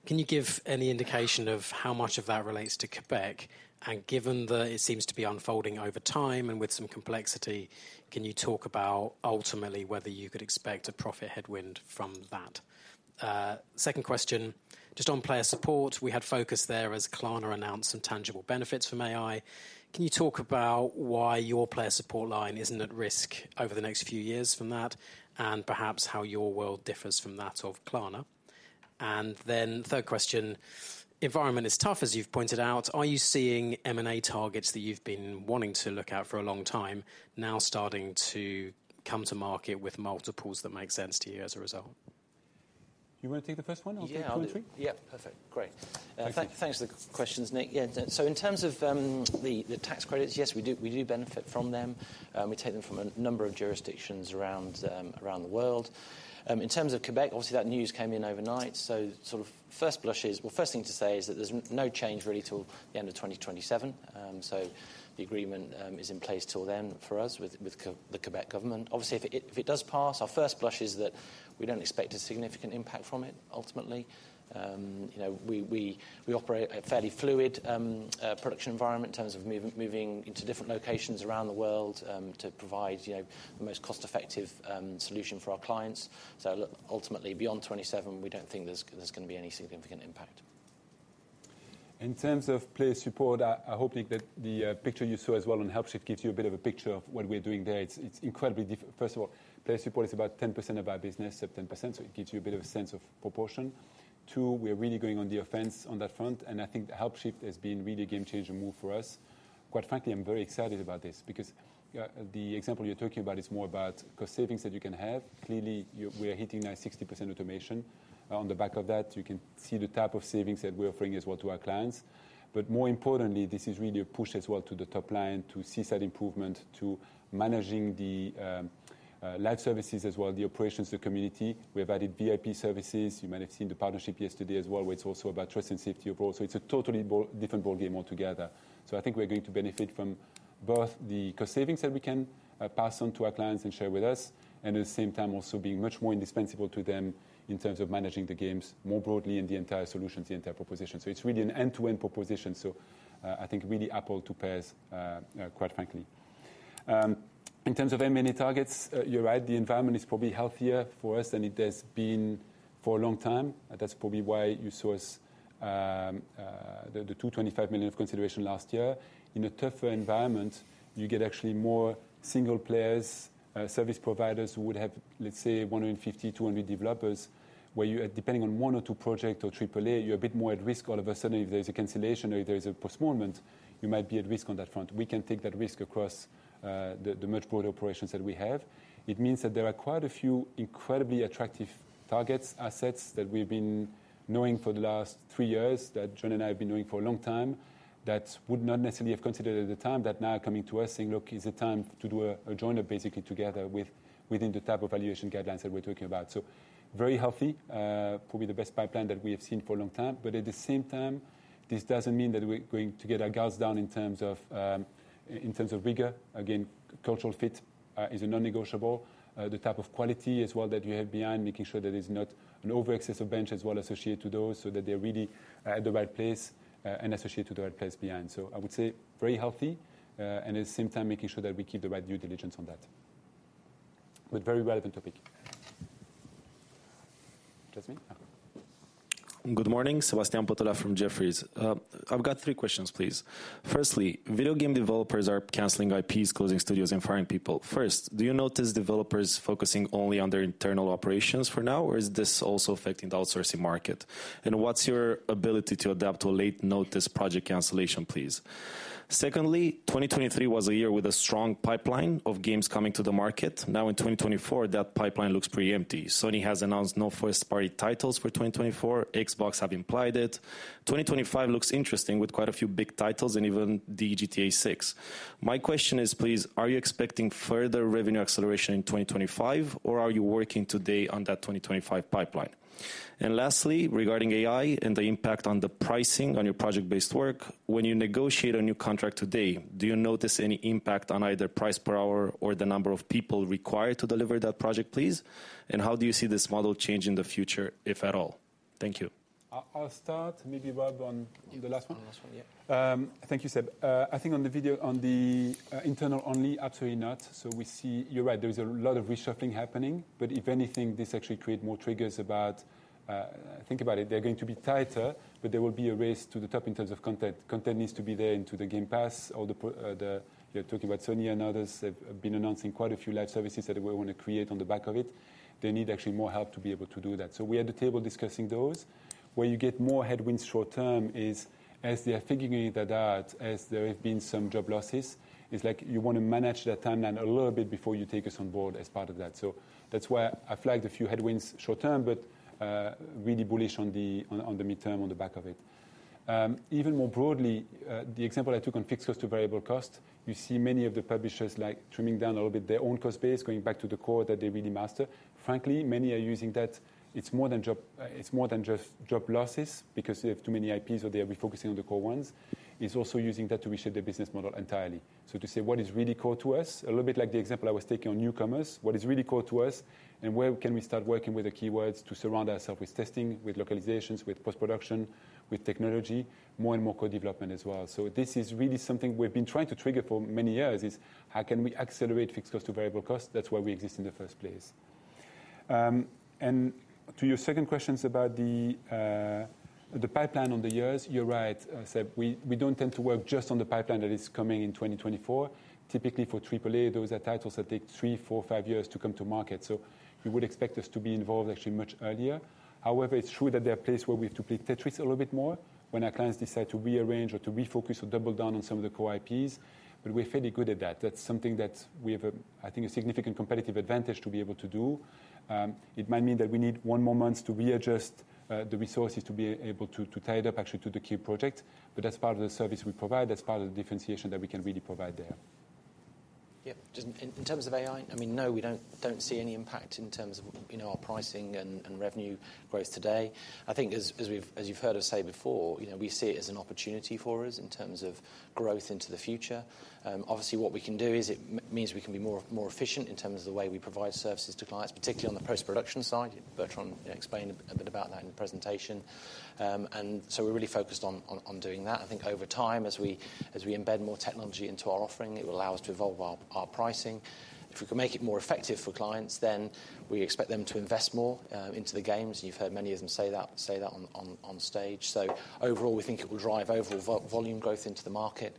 Can you give any indication of how much of that relates to Quebec? And given that it seems to be unfolding over time and with some complexity, can you talk about ultimately whether you could expect a profit headwind from that? Second question, just on player support, we had focus there as Klarna announced some tangible benefits from AI. Can you talk about why your player support line isn't at risk over the next few years from that and perhaps how your world differs from that of Klarna? And then third question, environment is tough, as you've pointed out. Are you seeing M&A targets that you've been wanting to look out for a long time now starting to come to market with multiples that make sense to you as a result? You want to take the first one? I'll take two and three. Yeah. Yeah. Perfect. Great. Thanks. Thanks for the questions, Nick. Yeah. So in terms of the tax credits, yes, we do benefit from them. We take them from a number of jurisdictions around the world. In terms of Quebec, obviously, that news came in overnight. So sort of first blush is, well, first thing to say is that there's no change really till the end of 2027. So the agreement is in place till then for us with the Quebec government. Obviously, if it does pass, our first blush is that we don't expect a significant impact from it ultimately. We operate a fairly fluid production environment in terms of moving into different locations around the world to provide the most cost-effective solution for our clients. So ultimately, beyond 2027, we don't think there's going to be any significant impact. In terms of player support, I hope, Nick, that the picture you saw as well on Helpshift gives you a bit of a picture of what we're doing there. First of all, player support is about 10% of our business, 10%. So it gives you a bit of a sense of proportion. Two, we are really going on the offense on that front. And I think Helpshift has been really a game-changer move for us. Quite frankly, I'm very excited about this because the example you're talking about is more about cost savings that you can have. Clearly, we are hitting now 60% automation. On the back of that, you can see the type of savings that we're offering as well to our clients. But more importantly, this is really a push as well to the top line to see that improvement to managing the live services as well, the operations, the community. We have added VIP services. You might have seen the partnership yesterday as well, where it's also about trust and safety overall. So it's a totally different ballgame altogether. So I think we are going to benefit from both the cost savings that we can pass on to our clients and share with us and at the same time also being much more indispensable to them in terms of managing the games more broadly and the entire solutions, the entire proposition. So it's really an end-to-end proposition. So I think really apples to pears, quite frankly. In terms of M&A targets, you're right. The environment is probably healthier for us than it has been for a long time. That's probably why you saw us the $225 million of consideration last year. In a tougher environment, you get actually more single players, service providers who would have, let's say, 150, 200 developers, where depending on one or two projects or AAA, you're a bit more at risk. All of a sudden, if there is a cancellation or if there is a postponement, you might be at risk on that front. We can take that risk across the much broader operations that we have. It means that there are quite a few incredibly attractive targets, assets that we've been knowing for the last three years, that Jon and I have been knowing for a long time, that would not necessarily have considered at the time, that now are coming to us saying, "Look, is it time to do a joiner basically together within the type of valuation guidelines that we're talking about?" So very healthy, probably the best pipeline that we have seen for a long time. But at the same time, this doesn't mean that we're going to get our guns down in terms of rigor. Again, cultural fit is a non-negotiable. The type of quality as well that you have behind, making sure that there is not an over-excess of bench as well associated to those so that they're really at the right place and associated to the right place behind. I would say very healthy and at the same time making sure that we keep the right due diligence on that. Very relevant topic. Jasmine? Good morning. Sebastian Patulea from Jefferies. I've got three questions, please. Firstly, video game developers are canceling IPs, closing studios, and firing people. First, do you notice developers focusing only on their internal operations for now? Or is this also affecting the outsourcing market? And what's your ability to adapt to a late-notice project cancellation, please? Secondly, 2023 was a year with a strong pipeline of games coming to the market. Now in 2024, that pipeline looks pretty empty. Sony has announced no first-party titles for 2024. Xbox have implied it. 2025 looks interesting with quite a few big titles and even the GTA VI. My question is, please, are you expecting further revenue acceleration in 2025? Or are you working today on that 2025 pipeline? Lastly, regarding AI and the impact on the pricing on your project-based work, when you negotiate a new contract today, do you notice any impact on either price per hour or the number of people required to deliver that project, please? And how do you see this model changing the future, if at all? Thank you. I'll start. Maybe Rob on the last one. On the last one, yeah. Thank you, Seb. I think on the internal only, absolutely not. So we see you're right. There is a lot of reshuffling happening. But if anything, this actually creates more triggers about think about it. They're going to be tighter. But there will be a race to the top in terms of content. Content needs to be there into the Game Pass. You're talking about Sony and others. They've been announcing quite a few live services that they want to create on the back of it. They need actually more help to be able to do that. So we are at the table discussing those. Where you get more headwinds short term is as they are figuring that out, as there have been some job losses, is like you want to manage that timeline a little bit before you take us on board as part of that. So that's why I flagged a few headwinds short-term, but really bullish on the mid-term on the back of it. Even more broadly, the example I took on fixed cost to variable cost, you see many of the publishers trimming down a little bit their own cost base, going back to the core that they really master. Frankly, many are using that. It's more than just job losses because they have too many IPs or they are refocusing on the core ones. It's also using that to reshape their business model entirely. So to say what is really core to us, a little bit like the example I was taking on newcomers, what is really core to us, and where can we start working with the Keywords to surround ourselves with testing, with localizations, with post-production, with technology, more and more co-development as well. So this is really something we've been trying to trigger for many years: how can we accelerate fixed cost to variable cost? That's why we exist in the first place. To your second questions about the pipeline on the years, you're right, Seb. We don't tend to work just on the pipeline that is coming in 2024. Typically for AAA, those are titles that take three, four, five years to come to market. So you would expect us to be involved actually much earlier. However, it's true that there are places where we have to play Tetris a little bit more when our clients decide to rearrange or to refocus or double down on some of the core IPs. But we're fairly good at that. That's something that we have, I think, a significant competitive advantage to be able to do. It might mean that we need one more month to readjust the resources to be able to tie it up actually to the key project. But that's part of the service we provide. That's part of the differentiation that we can really provide there. Yeah. In terms of AI, I mean, no, we don't see any impact in terms of our pricing and revenue growth today. I think as you've heard us say before, we see it as an opportunity for us in terms of growth into the future. Obviously, what we can do is it means we can be more efficient in terms of the way we provide services to clients, particularly on the post-production side. Bertrand explained a bit about that in the presentation. And so we're really focused on doing that. I think over time, as we embed more technology into our offering, it will allow us to evolve our pricing. If we can make it more effective for clients, then we expect them to invest more into the games. And you've heard many of them say that on stage. Overall, we think it will drive overall volume growth into the market.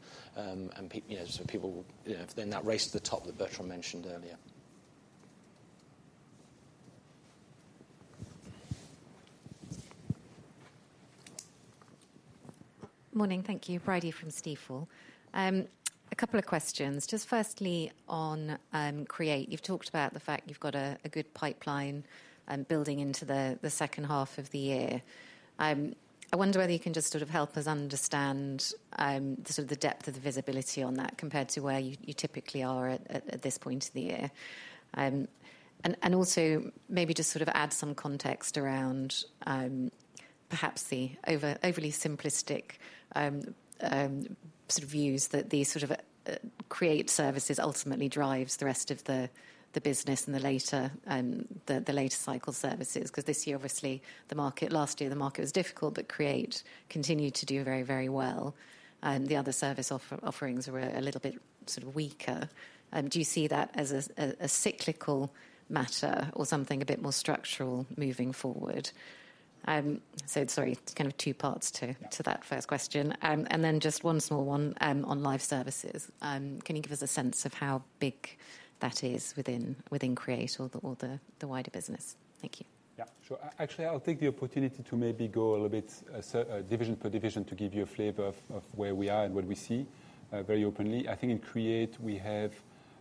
People will then race to the top that Bertrand mentioned earlier. Morning. Thank you. Brady from Stifel. A couple of questions. Just firstly on Create, you've talked about the fact you've got a good pipeline building into the second half of the year. I wonder whether you can just sort of help us understand sort of the depth of the visibility on that compared to where you typically are at this point of the year. And also maybe just sort of add some context around perhaps the overly simplistic sort of views that the sort of Create services ultimately drives the rest of the business and the later cycle services. Because this year, obviously, last year, the market was difficult. But Create continued to do very, very well. And the other service offerings were a little bit sort of weaker. Do you see that as a cyclical matter or something a bit more structural moving forward? So sorry, kind of two parts to that first question. And then just one small one on Live Services. Can you give us a sense of how big that is within Create or the wider business? Thank you. Yeah. Sure. Actually, I'll take the opportunity to maybe go a little bit division per division to give you a flavor of where we are and what we see very openly. I think in Create, we have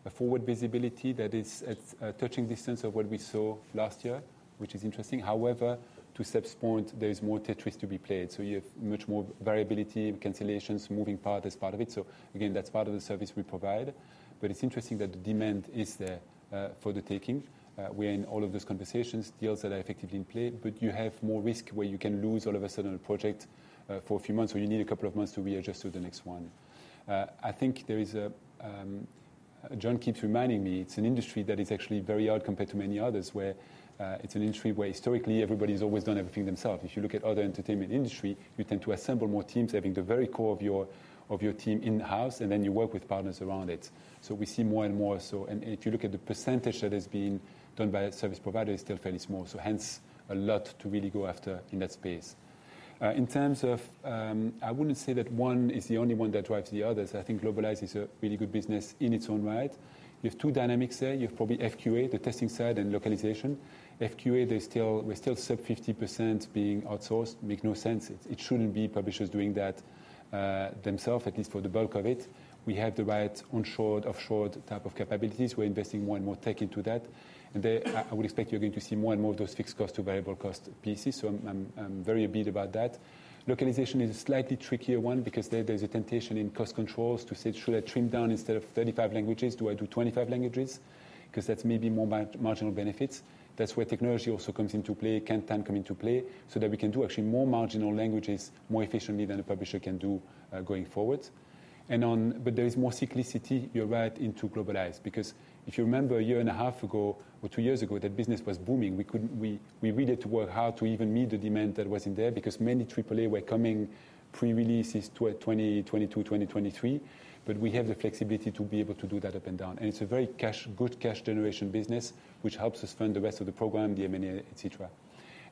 a forward visibility that is at touching distance of what we saw last year, which is interesting. However, to Seb's point, there is more Tetris to be played. So you have much more variability, cancellations, moving part as part of it. So again, that's part of the service we provide. But it's interesting that the demand is there for the taking. We're in all of those conversations, deals that are effectively in play. But you have more risk where you can lose all of a sudden a project for a few months. Or you need a couple of months to readjust to the next one. I think there is a. Jon keeps reminding me, it's an industry that is actually very odd compared to many others where it's an industry where historically, everybody has always done everything themselves. If you look at other entertainment industry, you tend to assemble more teams having the very core of your team in-house. And then you work with partners around it. So we see more and more so. And if you look at the percentage that has been done by service providers, it's still fairly small. So hence, a lot to really go after in that space. In terms of I wouldn't say that one is the only one that drives the others. I think Globalize is a really good business in its own right. You have two dynamics there. You have probably FQA, the testing side, and localization. FQA, we're still sub-50% being outsourced. Makes no sense. It shouldn't be publishers doing that themselves, at least for the bulk of it. We have the right onshore, offshore type of capabilities. We're investing more and more tech into that. And I would expect you're going to see more and more of those fixed cost to variable cost pieces. So I'm very bullish about that. Localization is a slightly trickier one because there's a temptation in cost controls to say, should I trim down instead of 35 languages? Do I do 25 languages? Because that's maybe more marginal benefits. That's where technology also comes into play, Kantan come into play so that we can do actually more marginal languages more efficiently than a publisher can do going forward. But there is more cyclicity, you're right, into Globalize. Because if you remember a year and a half ago or two years ago, that business was booming. We really had to work hard to even meet the demand that was in there because many AAA were coming pre-releases 2022, 2023. But we have the flexibility to be able to do that up and down. And it's a very good cash generation business, which helps us fund the rest of the program, the M&A, et cetera.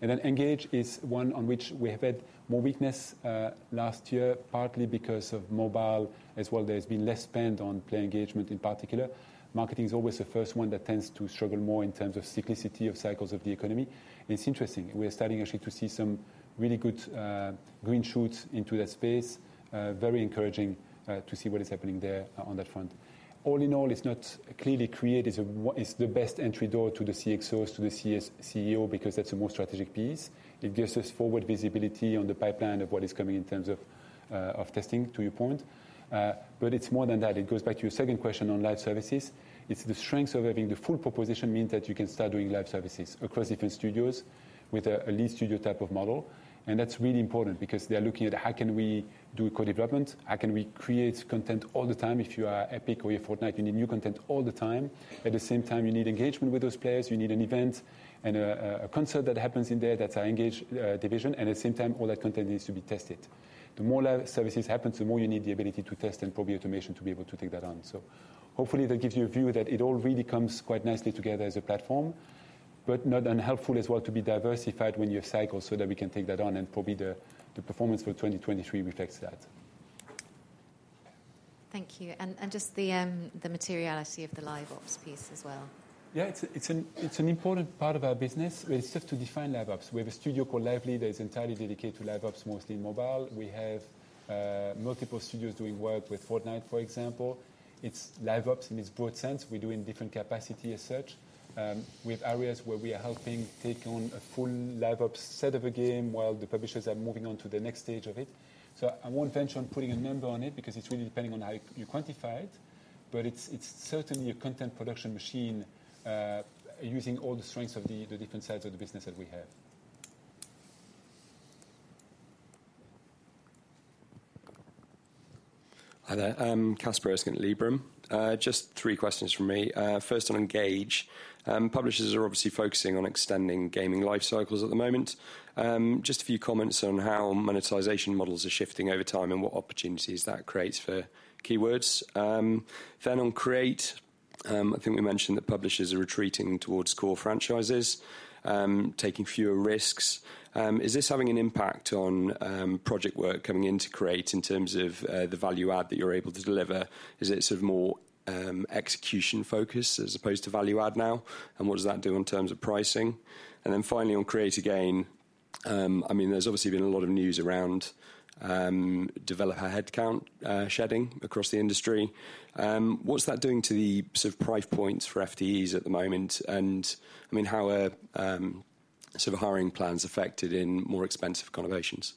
And then Engage is one on which we have had more weakness last year, partly because of mobile as well. There has been less spend on player engagement in particular. Marketing is always the first one that tends to struggle more in terms of cyclicality of cycles of the economy. And it's interesting. We are starting actually to see some really good green shoots into that space. Very encouraging to see what is happening there on that front. All in all, it's not clearly Create is the best entry door to the CXOs, to the CEO because that's a more strategic piece. It gives us forward visibility on the pipeline of what is coming in terms of testing, to your point. But it's more than that. It goes back to your second question on live services. It's the strength of having the full proposition means that you can start doing live services across different studios with a lead studio type of model. And that's really important because they're looking at how can we do co-development? How can we create content all the time? If you are Epic or you're Fortnite, you need new content all the time. At the same time, you need engagement with those players. You need an event and a concert that happens in there that's our Engage division. At the same time, all that content needs to be tested. The more live services happen, the more you need the ability to test and probably automation to be able to take that on. So hopefully, that gives you a view that it all really comes quite nicely together as a platform, but not unhelpful as well to be diversified when you have cycles so that we can take that on. And probably the performance for 2023 reflects that. Thank you. And just the materiality of the live ops piece as well. Yeah. It's an important part of our business. Well, it's tough to define live ops. We have a studio called LiveLead that is entirely dedicated to live ops, mostly in mobile. We have multiple studios doing work with Fortnite, for example. It's live ops in its broad sense. We're doing different capacity as such. We have areas where we are helping take on a full live ops set of a game while the publishers are moving on to the next stage of it. So I won't venture on putting a number on it because it's really depending on how you quantify it. But it's certainly a content production machine using all the strengths of the different sides of the business that we have. Hi there. Casper Ossgren at Liberum Just three questions from me. First on Engage. Publishers are obviously focusing on extending gaming life cycles at the moment. Just a few comments on how monetization models are shifting over time and what opportunities that creates for Keywords. Then on Create, I think we mentioned that publishers are retreating towards core franchises, taking fewer risks. Is this having an impact on project work coming into Create in terms of the value add that you're able to deliver? Is it sort of more execution focused as opposed to value add now? And what does that do in terms of pricing? And then finally on Create again, I mean, there's obviously been a lot of news around developer headcount shedding across the industry. What's that doing to the sort of price points for FTEs at the moment? I mean, how are sort of hiring plans affected in more expensive conversations?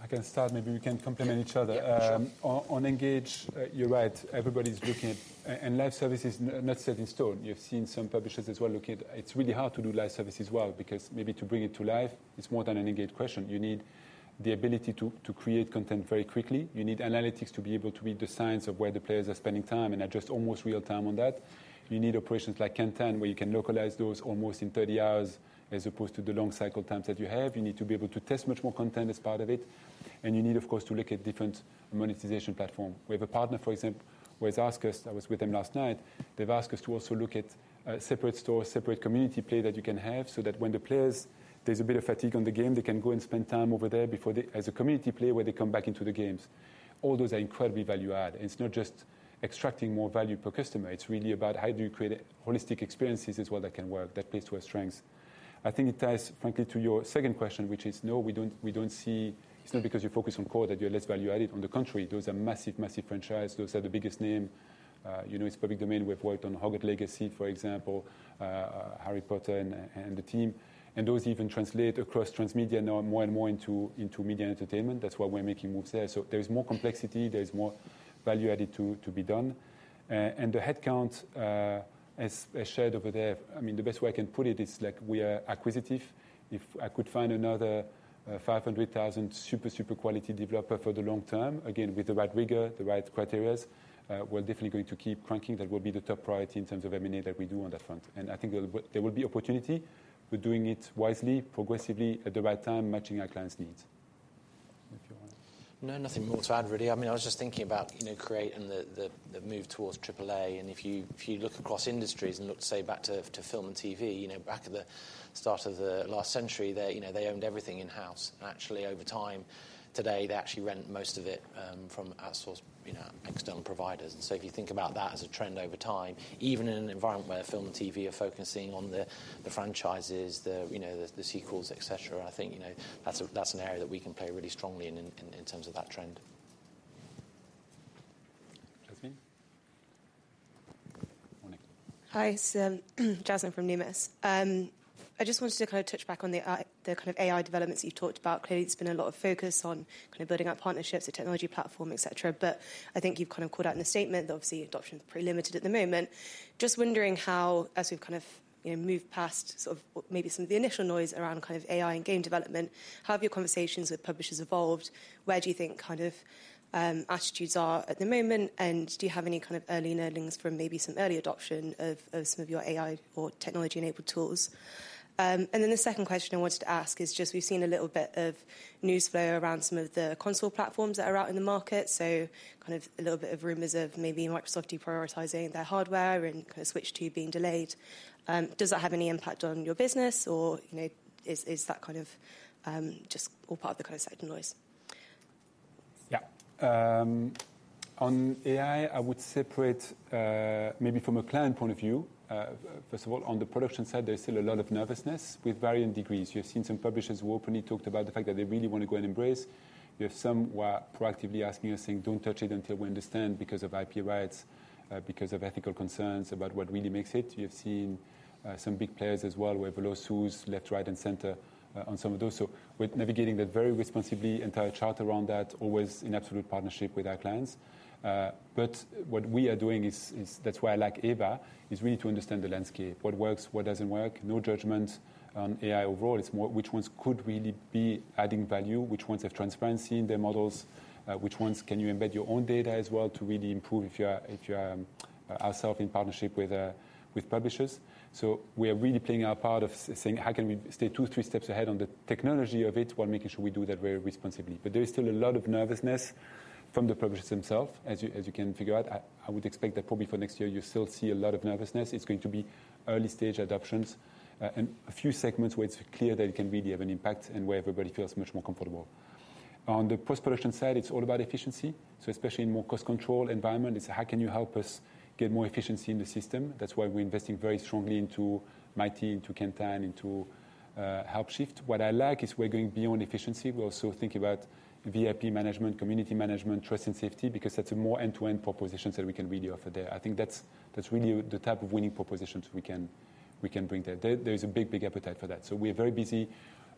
I can start. Maybe we can complement each other. On Engage, you're right. Everybody's looking at and live service is not set in stone. You've seen some publishers as well looking at it's really hard to do live service as well because maybe to bring it to life, it's more than an Engage question. You need the ability to create content very quickly. You need analytics to be able to read the signs of where the players are spending time and adjust almost real time on that. You need operations like Kantan where you can localize those almost in 30 hours as opposed to the long cycle times that you have. You need to be able to test much more content as part of it. And you need, of course, to look at different monetization platforms. We have a partner, for example, Hasbro. I was with them last night. They've asked us to also look at separate stores, separate community play that you can have so that when the players, there's a bit of fatigue on the game, they can go and spend time over there as a community play where they come back into the games. All those are incredibly value add. And it's not just extracting more value per customer. It's really about how do you create holistic experiences as well that can work, that plays to our strengths. I think it ties, frankly, to your second question, which is, no, we don't see it's not because you focus on core that you're less value added on the contrary. Those are massive, massive franchises. Those are the biggest name. It's public domain. We've worked on Hogwarts Legacy, for example, Harry Potter and the team. And those even translate across transmedia now more and more into media entertainment. That's why we're making moves there. So there is more complexity. There is more value added to be done. And the headcount, as shared over there, I mean, the best way I can put it is like we are acquisitive. If I could find another 500,000 super, super quality developer for the long term, again, with the right rigor, the right criteria, we're definitely going to keep cranking. That will be the top priority in terms of M&A that we do on that front. And I think there will be opportunity. We're doing it wisely, progressively, at the right time, matching our clients' needs. No, nothing more to add, really. I mean, I was just thinking about Create and the move towards AAA. And if you look across industries and look, say, back to film and TV, back at the start of the last century, they owned everything in-house. And actually, over time, today, they actually rent most of it from external providers. And so if you think about that as a trend over time, even in an environment where film and TV are focusing on the franchises, the sequels, et cetera, I think that's an area that we can play really strongly in terms of that trend. Jasmine? Morning. Hi. It's Jasmine from Numis. I just wanted to kind of touch back on the kind of AI developments you've talked about. Clearly, there's been a lot of focus on kind of building up partnerships, a technology platform, et cetera. But I think you've kind of called out in the statement that, obviously, adoption is pretty limited at the moment. Just wondering how, as we've kind of moved past sort of maybe some of the initial noise around kind of AI and game development, how have your conversations with publishers evolved? Where do you think kind of attitudes are at the moment? And do you have any kind of early learnings from maybe some early adoption of some of your AI or technology-enabled tools? Then the second question I wanted to ask is just we've seen a little bit of news flow around some of the console platforms that are out in the market. So kind of a little bit of rumors of maybe Microsoft deprioritizing their hardware and kind of Switch 2 being delayed. Does that have any impact on your business? Or is that kind of just all part of the kind of sector noise? Yeah. On AI, I would separate maybe from a client point of view, first of all, on the production side, there's still a lot of nervousness with varying degrees. You've seen some publishers who openly talked about the fact that they really want to go and embrace. You have some who are proactively asking us, saying, "Don't touch it until we understand because of IP rights, because of ethical concerns about what really makes it." You have seen some big players as well who have lawsuits, left, right, and center on some of those. So we're navigating that very responsibly, entire chart around that, always in absolute partnership with our clients. But what we are doing is that's why I like EVA, is really to understand the landscape, what works, what doesn't work, no judgment on AI overall. It's more which ones could really be adding value, which ones have transparency in their models, which ones can you embed your own data as well to really improve if you are ourselves in partnership with publishers. So we are really playing our part of saying, how can we stay two, three steps ahead on the technology of it while making sure we do that very responsibly? But there is still a lot of nervousness from the publishers themselves. As you can figure out, I would expect that probably for next year, you'll still see a lot of nervousness. It's going to be early-stage adoptions and a few segments where it's clear that it can really have an impact and where everybody feels much more comfortable. On the post-production side, it's all about efficiency. So especially in more cost control environment, it's how can you help us get more efficiency in the system? That's why we're investing very strongly into Mighty, into Kantan, into Helpshift. What I like is we're going beyond efficiency. We also think about VIP management, community management, trust, and safety because that's a more end-to-end proposition that we can really offer there. I think that's really the type of winning propositions we can bring there. There is a big, big appetite for that. So we're very busy.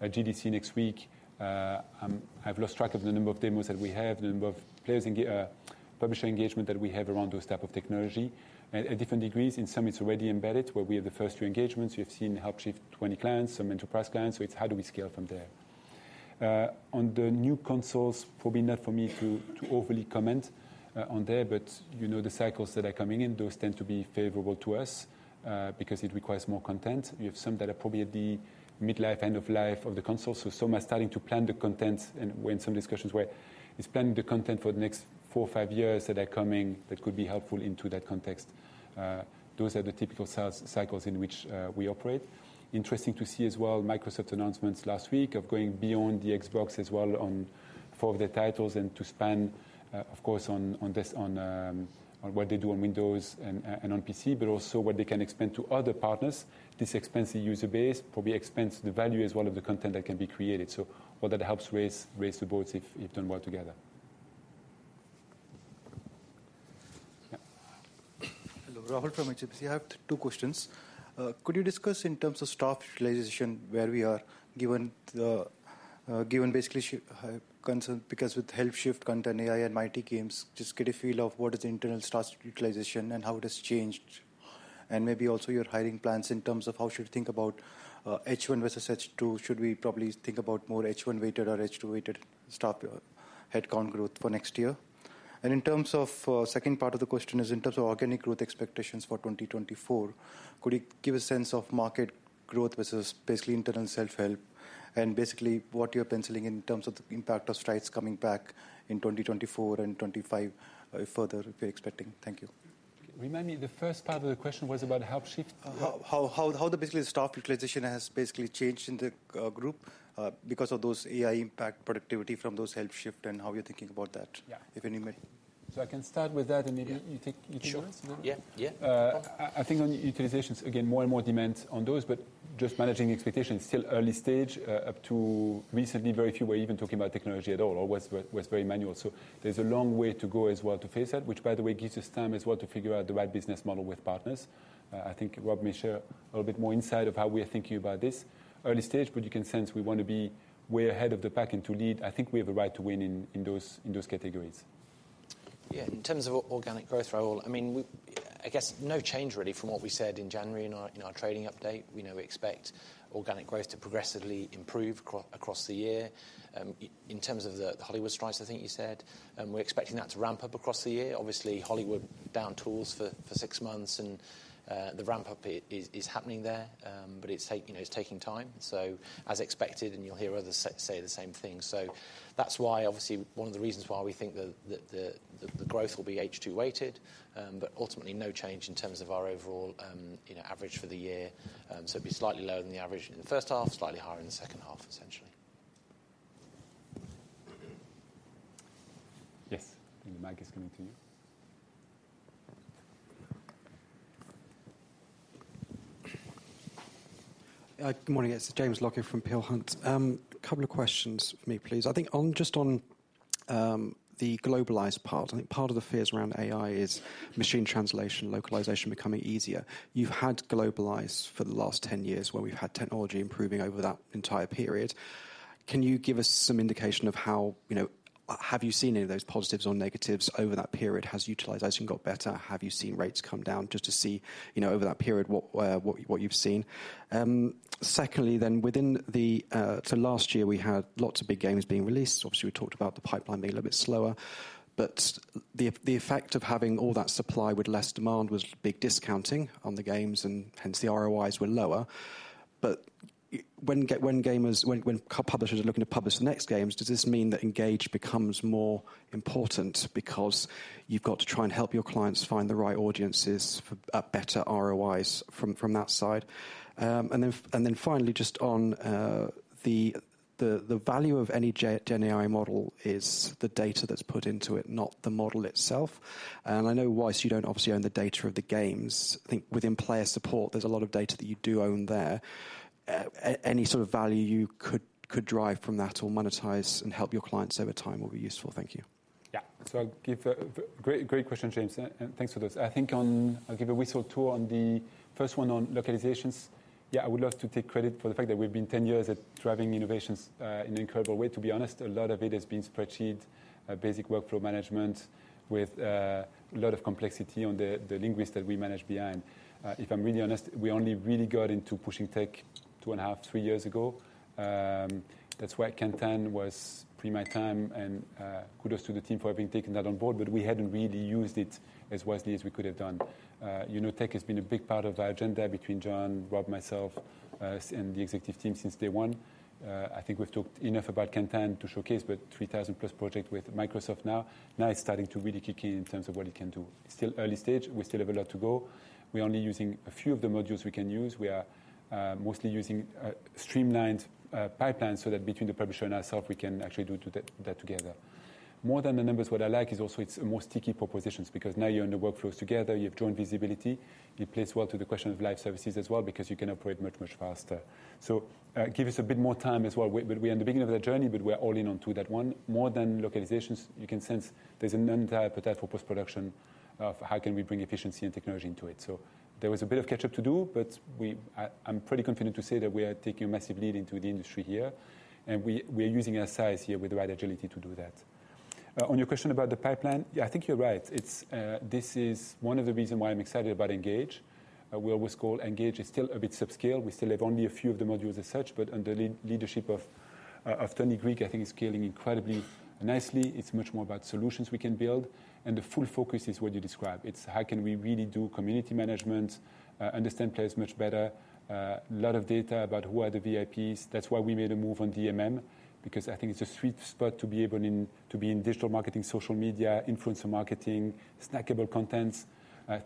GDC next week. I've lost track of the number of demos that we have, the number of publisher engagement that we have around those types of technology at different degrees. In some, it's already embedded where we have the first few engagements. You have seen Helpshift 20 clients, some enterprise clients. So it's how do we scale from there? On the new consoles, probably not for me to overly comment on there. But the cycles that are coming in, those tend to be favorable to us because it requires more content. You have some that are probably at the midlife, end of life of the console. So some are starting to plan the content. And when some discussions were, it's planning the content for the next four, five years that are coming that could be helpful into that context. Those are the typical cycles in which we operate. Interesting to see as well Microsoft announcements last week of going beyond the Xbox as well on four of their titles and to span, of course, on what they do on Windows and on PC, but also what they can expand to other partners, this expansive user base, probably expand the value as well of the content that can be created. All that helps raise the boats if done well together. Yeah. Hello. Rahul from HSBC. I have two questions. Could you discuss in terms of staff utilization where we are given basically concern because with Helpshift, Kantan, AI, and Mighty Games, just get a feel of what is the internal staff utilization and how it has changed? And maybe also your hiring plans in terms of how should we think about H1 versus H2? Should we probably think about more H1-weighted or H2-weighted staff headcount growth for next year? And in terms of second part of the question is in terms of organic growth expectations for 2024, could you give a sense of market growth versus basically internal self-help and basically what you're penciling in terms of the impact of strikes coming back in 2024 and 2025 further if you're expecting? Thank you. Remind me, the first part of the question was about Helpshift. How the staff utilization has basically changed in the group because of those AI impact, productivity from those Helpshift, and how you're thinking about that, if anybody? I can start with that. Maybe you take a chance a little bit. Sure. Yeah. Yeah. I think on utilizations, again, more and more demand on those. But just managing expectations, still early stage, up to recently, very few were even talking about technology at all or was very manual. So there's a long way to go as well to face that, which, by the way, gives us time as well to figure out the right business model with partners. I think Rob may share a little bit more insight of how we are thinking about this. Early stage, but you can sense we want to be way ahead of the pack and to lead. I think we have a right to win in those categories. Yeah. In terms of organic growth, Rahul, I mean, I guess no change really from what we said in January in our trading update. We expect organic growth to progressively improve across the year. In terms of the Hollywood strikes, I think you said, we're expecting that to ramp up across the year. Obviously, Hollywood down tools for six months. The ramp-up is happening there. It's taking time. As expected, and you'll hear others say the same thing. That's why, obviously, one of the reasons why we think that the growth will be H2-weighted, but ultimately no change in terms of our overall average for the year. It'd be slightly lower than the average in the first half, slightly higher in the second half, essentially. Yes. I think the mic is coming to you. Good morning. It's James Lockyer from Peel Hunt. Couple of questions for me, please. I think just on the globalized part, I think part of the fears around AI is machine translation, localization becoming easier. You've had globalized for the last 10 years where we've had technology improving over that entire period. Can you give us some indication of how have you seen any of those positives or negatives over that period? Has utilization got better? Have you seen rates come down just to see over that period what you've seen? Secondly, then within the so last year, we had lots of big games being released. Obviously, we talked about the pipeline being a little bit slower. But the effect of having all that supply with less demand was big discounting on the games. And hence, the ROIs were lower. When publishers are looking to publish the next games, does this mean that Engage becomes more important because you've got to try and help your clients find the right audiences for better ROIs from that side? And then finally, just on the value of any GenAI model is the data that's put into it, not the model itself. And I know Wise, you don't obviously own the data of the games. I think within player support, there's a lot of data that you do own there. Any sort of value you could drive from that or monetize and help your clients over time will be useful. Thank you. Yeah. So great question, James. And thanks for those. I think I'll give a whistle tour on the first one on localizations. Yeah, I would love to take credit for the fact that we've been 10 years at driving innovations in an incredible way. To be honest, a lot of it has been spreadsheet, basic workflow management with a lot of complexity on the linguist that we manage behind. If I'm really honest, we only really got into pushing tech two and half, three years ago. That's why Kantan was pre-my time. And kudos to the team for having taken that on board. But we hadn't really used it as wisely as we could have done. Tech has been a big part of our agenda between Jon, Rob, myself, and the executive team since day one. I think we've talked enough about Kantan to showcase. But 3,000-plus projects with Microsoft now, now it's starting to really kick in in terms of what it can do. It's still early stage. We still have a lot to go. We're only using a few of the modules we can use. We are mostly using streamlined pipelines so that between the publisher and ourselves, we can actually do that together. More than the numbers, what I like is also it's more sticky propositions because now you're on the workflows together. You've joined visibility. It plays well to the question of live services as well because you can operate much, much faster. So give us a bit more time as well. We're in the beginning of that journey. But we're all in onto that one. More than localizations, you can sense there's an entire potential for post-production of how can we bring efficiency and technology into it. So there was a bit of catch-up to do. But I'm pretty confident to say that we are taking a massive lead into the industry here. And we are using our size here with the right agility to do that. On your question about the pipeline, I think you're right. This is one of the reasons why I'm excited about Engage. We always call Engage is still a bit subscale. We still have only a few of the modules as such. But under the leadership of Tony Greek, I think it's scaling incredibly nicely. It's much more about solutions we can build. And the full focus is what you describe. It's how can we really do community management, understand players much better, a lot of data about who are the VIPs. That's why we made a move on DMM because I think it's a sweet spot to be able to be in digital marketing, social media, influencer marketing, snackable contents.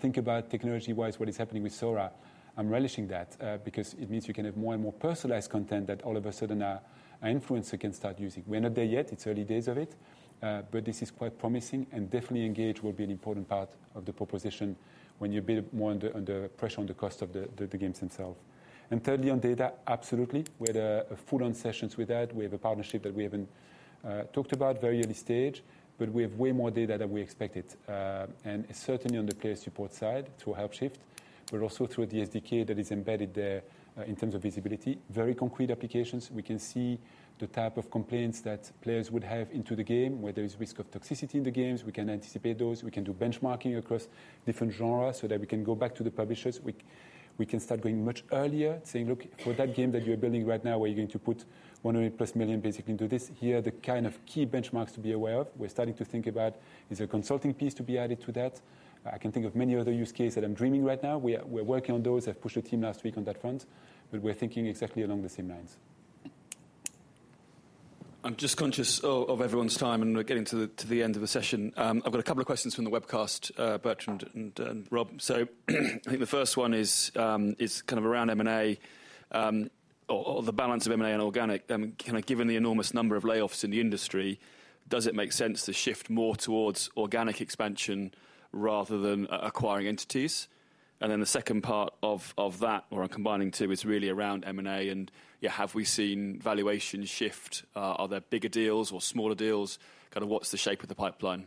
Think about technology-wise what is happening with Sora. I'm relishing that because it means you can have more and more personalized content that all of a sudden an influencer can start using. We're not there yet. It's early days of it. But this is quite promising. And definitely, Engage will be an important part of the proposition when you're a bit more under pressure on the cost of the games themselves. And thirdly, on data, absolutely. We had full-on sessions with that. We have a partnership that we haven't talked about, very early stage. But we have way more data than we expected, and certainly on the player support side through Helpshift, but also through the SDK that is embedded there in terms of visibility. Very concrete applications. We can see the type of complaints that players would have into the game, where there is risk of toxicity in the games. We can anticipate those. We can do benchmarking across different genres so that we can go back to the publishers. We can start going much earlier, saying, "Look, for that game that you're building right now where you're going to put $100+ million basically into this, here are the kind of key benchmarks to be aware of." We're starting to think about, is there a consulting piece to be added to that? I can think of many other use cases that I'm dreaming right now. We're working on those. I've pushed the team last week on that front. But we're thinking exactly along the same lines. I'm just conscious of everyone's time. And we're getting to the end of the session. I've got a couple of questions from the webcast, Bertrand and Rob. So I think the first one is kind of around M&A or the balance of M&A and organic. Kind of given the enormous number of layoffs in the industry, does it make sense to shift more towards organic expansion rather than acquiring entities? And then the second part of that, or I'm combining two, is really around M&A. And yeah, have we seen valuation shift? Are there bigger deals or smaller deals? Kind of what's the shape of the pipeline?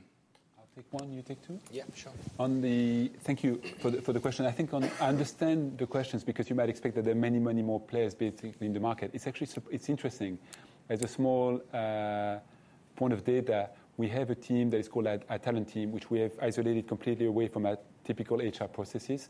I'll take one. You take two. Yeah. Sure. Thank you for the question. I think I understand the questions because you might expect that there are many, many more players basically in the market. It's interesting. As a small point of data, we have a team that is called a talent team, which we have isolated completely away from typical HR processes.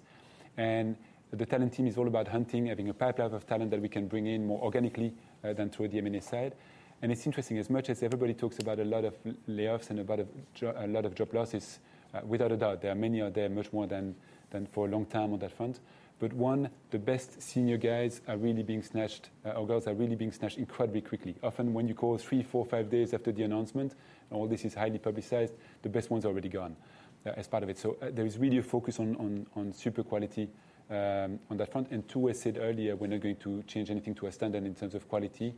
And the talent team is all about hunting, having a pipeline of talent that we can bring in more organically than through the M&A side. And it's interesting. As much as everybody talks about a lot of layoffs and a lot of job losses, without a doubt, there are many out there, much more than for a long time on that front. But one, the best senior guys are really being snatched or girls are really being snatched incredibly quickly. Often, when you call three, four, five days after the announcement, all this is highly publicized. The best ones are already gone as part of it. So there is really a focus on super quality on that front. And two, as said earlier, we're not going to change anything to our standard in terms of quality.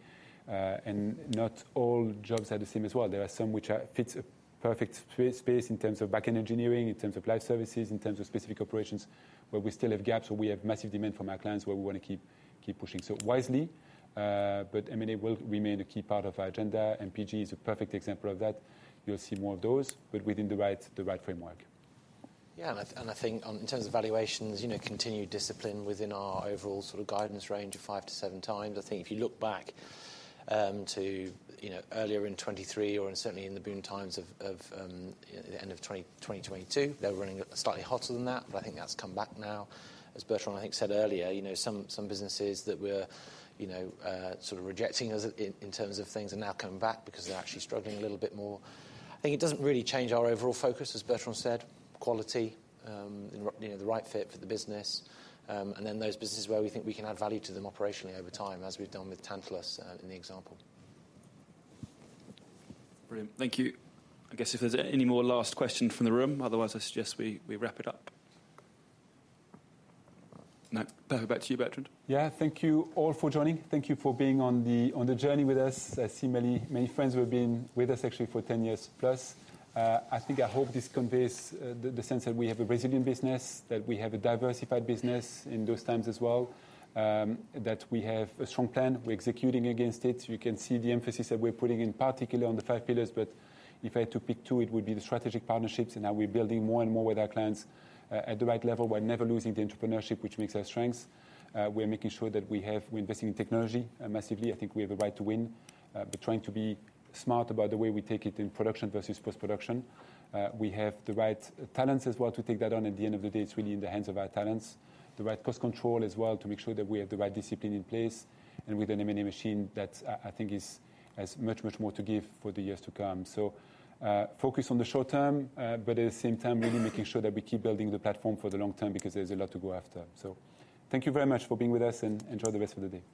And not all jobs are the same as well. There are some which fit a perfect space in terms of back-end engineering, in terms of live services, in terms of specific operations where we still have gaps or we have massive demand from our clients where we want to keep pushing. So wisely. But M&A will remain a key part of our agenda. MPG is a perfect example of that. You'll see more of those, but within the right framework. Yeah. And I think in terms of valuations, continued discipline within our overall sort of guidance range of five-seven times. I think if you look back to earlier in 2023 or certainly in the boom times of the end of 2022, they were running slightly hotter than that. But I think that's come back now. As Bertrand, I think, said earlier, some businesses that were sort of rejecting us in terms of things are now coming back because they're actually struggling a little bit more. I think it doesn't really change our overall focus, as Bertrand said, quality, the right fit for the business, and then those businesses where we think we can add value to them operationally over time as we've done with Tantalus in the example. Brilliant. Thank you. I guess if there's any more last question from the room? Otherwise, I suggest we wrap it up. Perfect. Back to you, Bertrand. Yeah. Thank you all for joining. Thank you for being on the journey with us. I see many friends who have been with us actually for 10 years plus. I think I hope this conveys the sense that we have a resilient business, that we have a diversified business in those times as well, that we have a strong plan. We're executing against it. You can see the emphasis that we're putting in particular on the five pillars. But if I had to pick two, it would be the strategic partnerships and how we're building more and more with our clients at the right level while never losing the entrepreneurship, which makes our strengths. We're making sure that we have. We're investing in technology massively. I think we have a right to win, but trying to be smart about the way we take it in production versus post-production. We have the right talents as well to take that on. At the end of the day, it's really in the hands of our talents, the right cost control as well to make sure that we have the right discipline in place. And with an M&A machine, that I think has much, much more to give for the years to come. So focus on the short term, but at the same time, really making sure that we keep building the platform for the long term because there's a lot to go after. So thank you very much for being with us. And enjoy the rest of the day.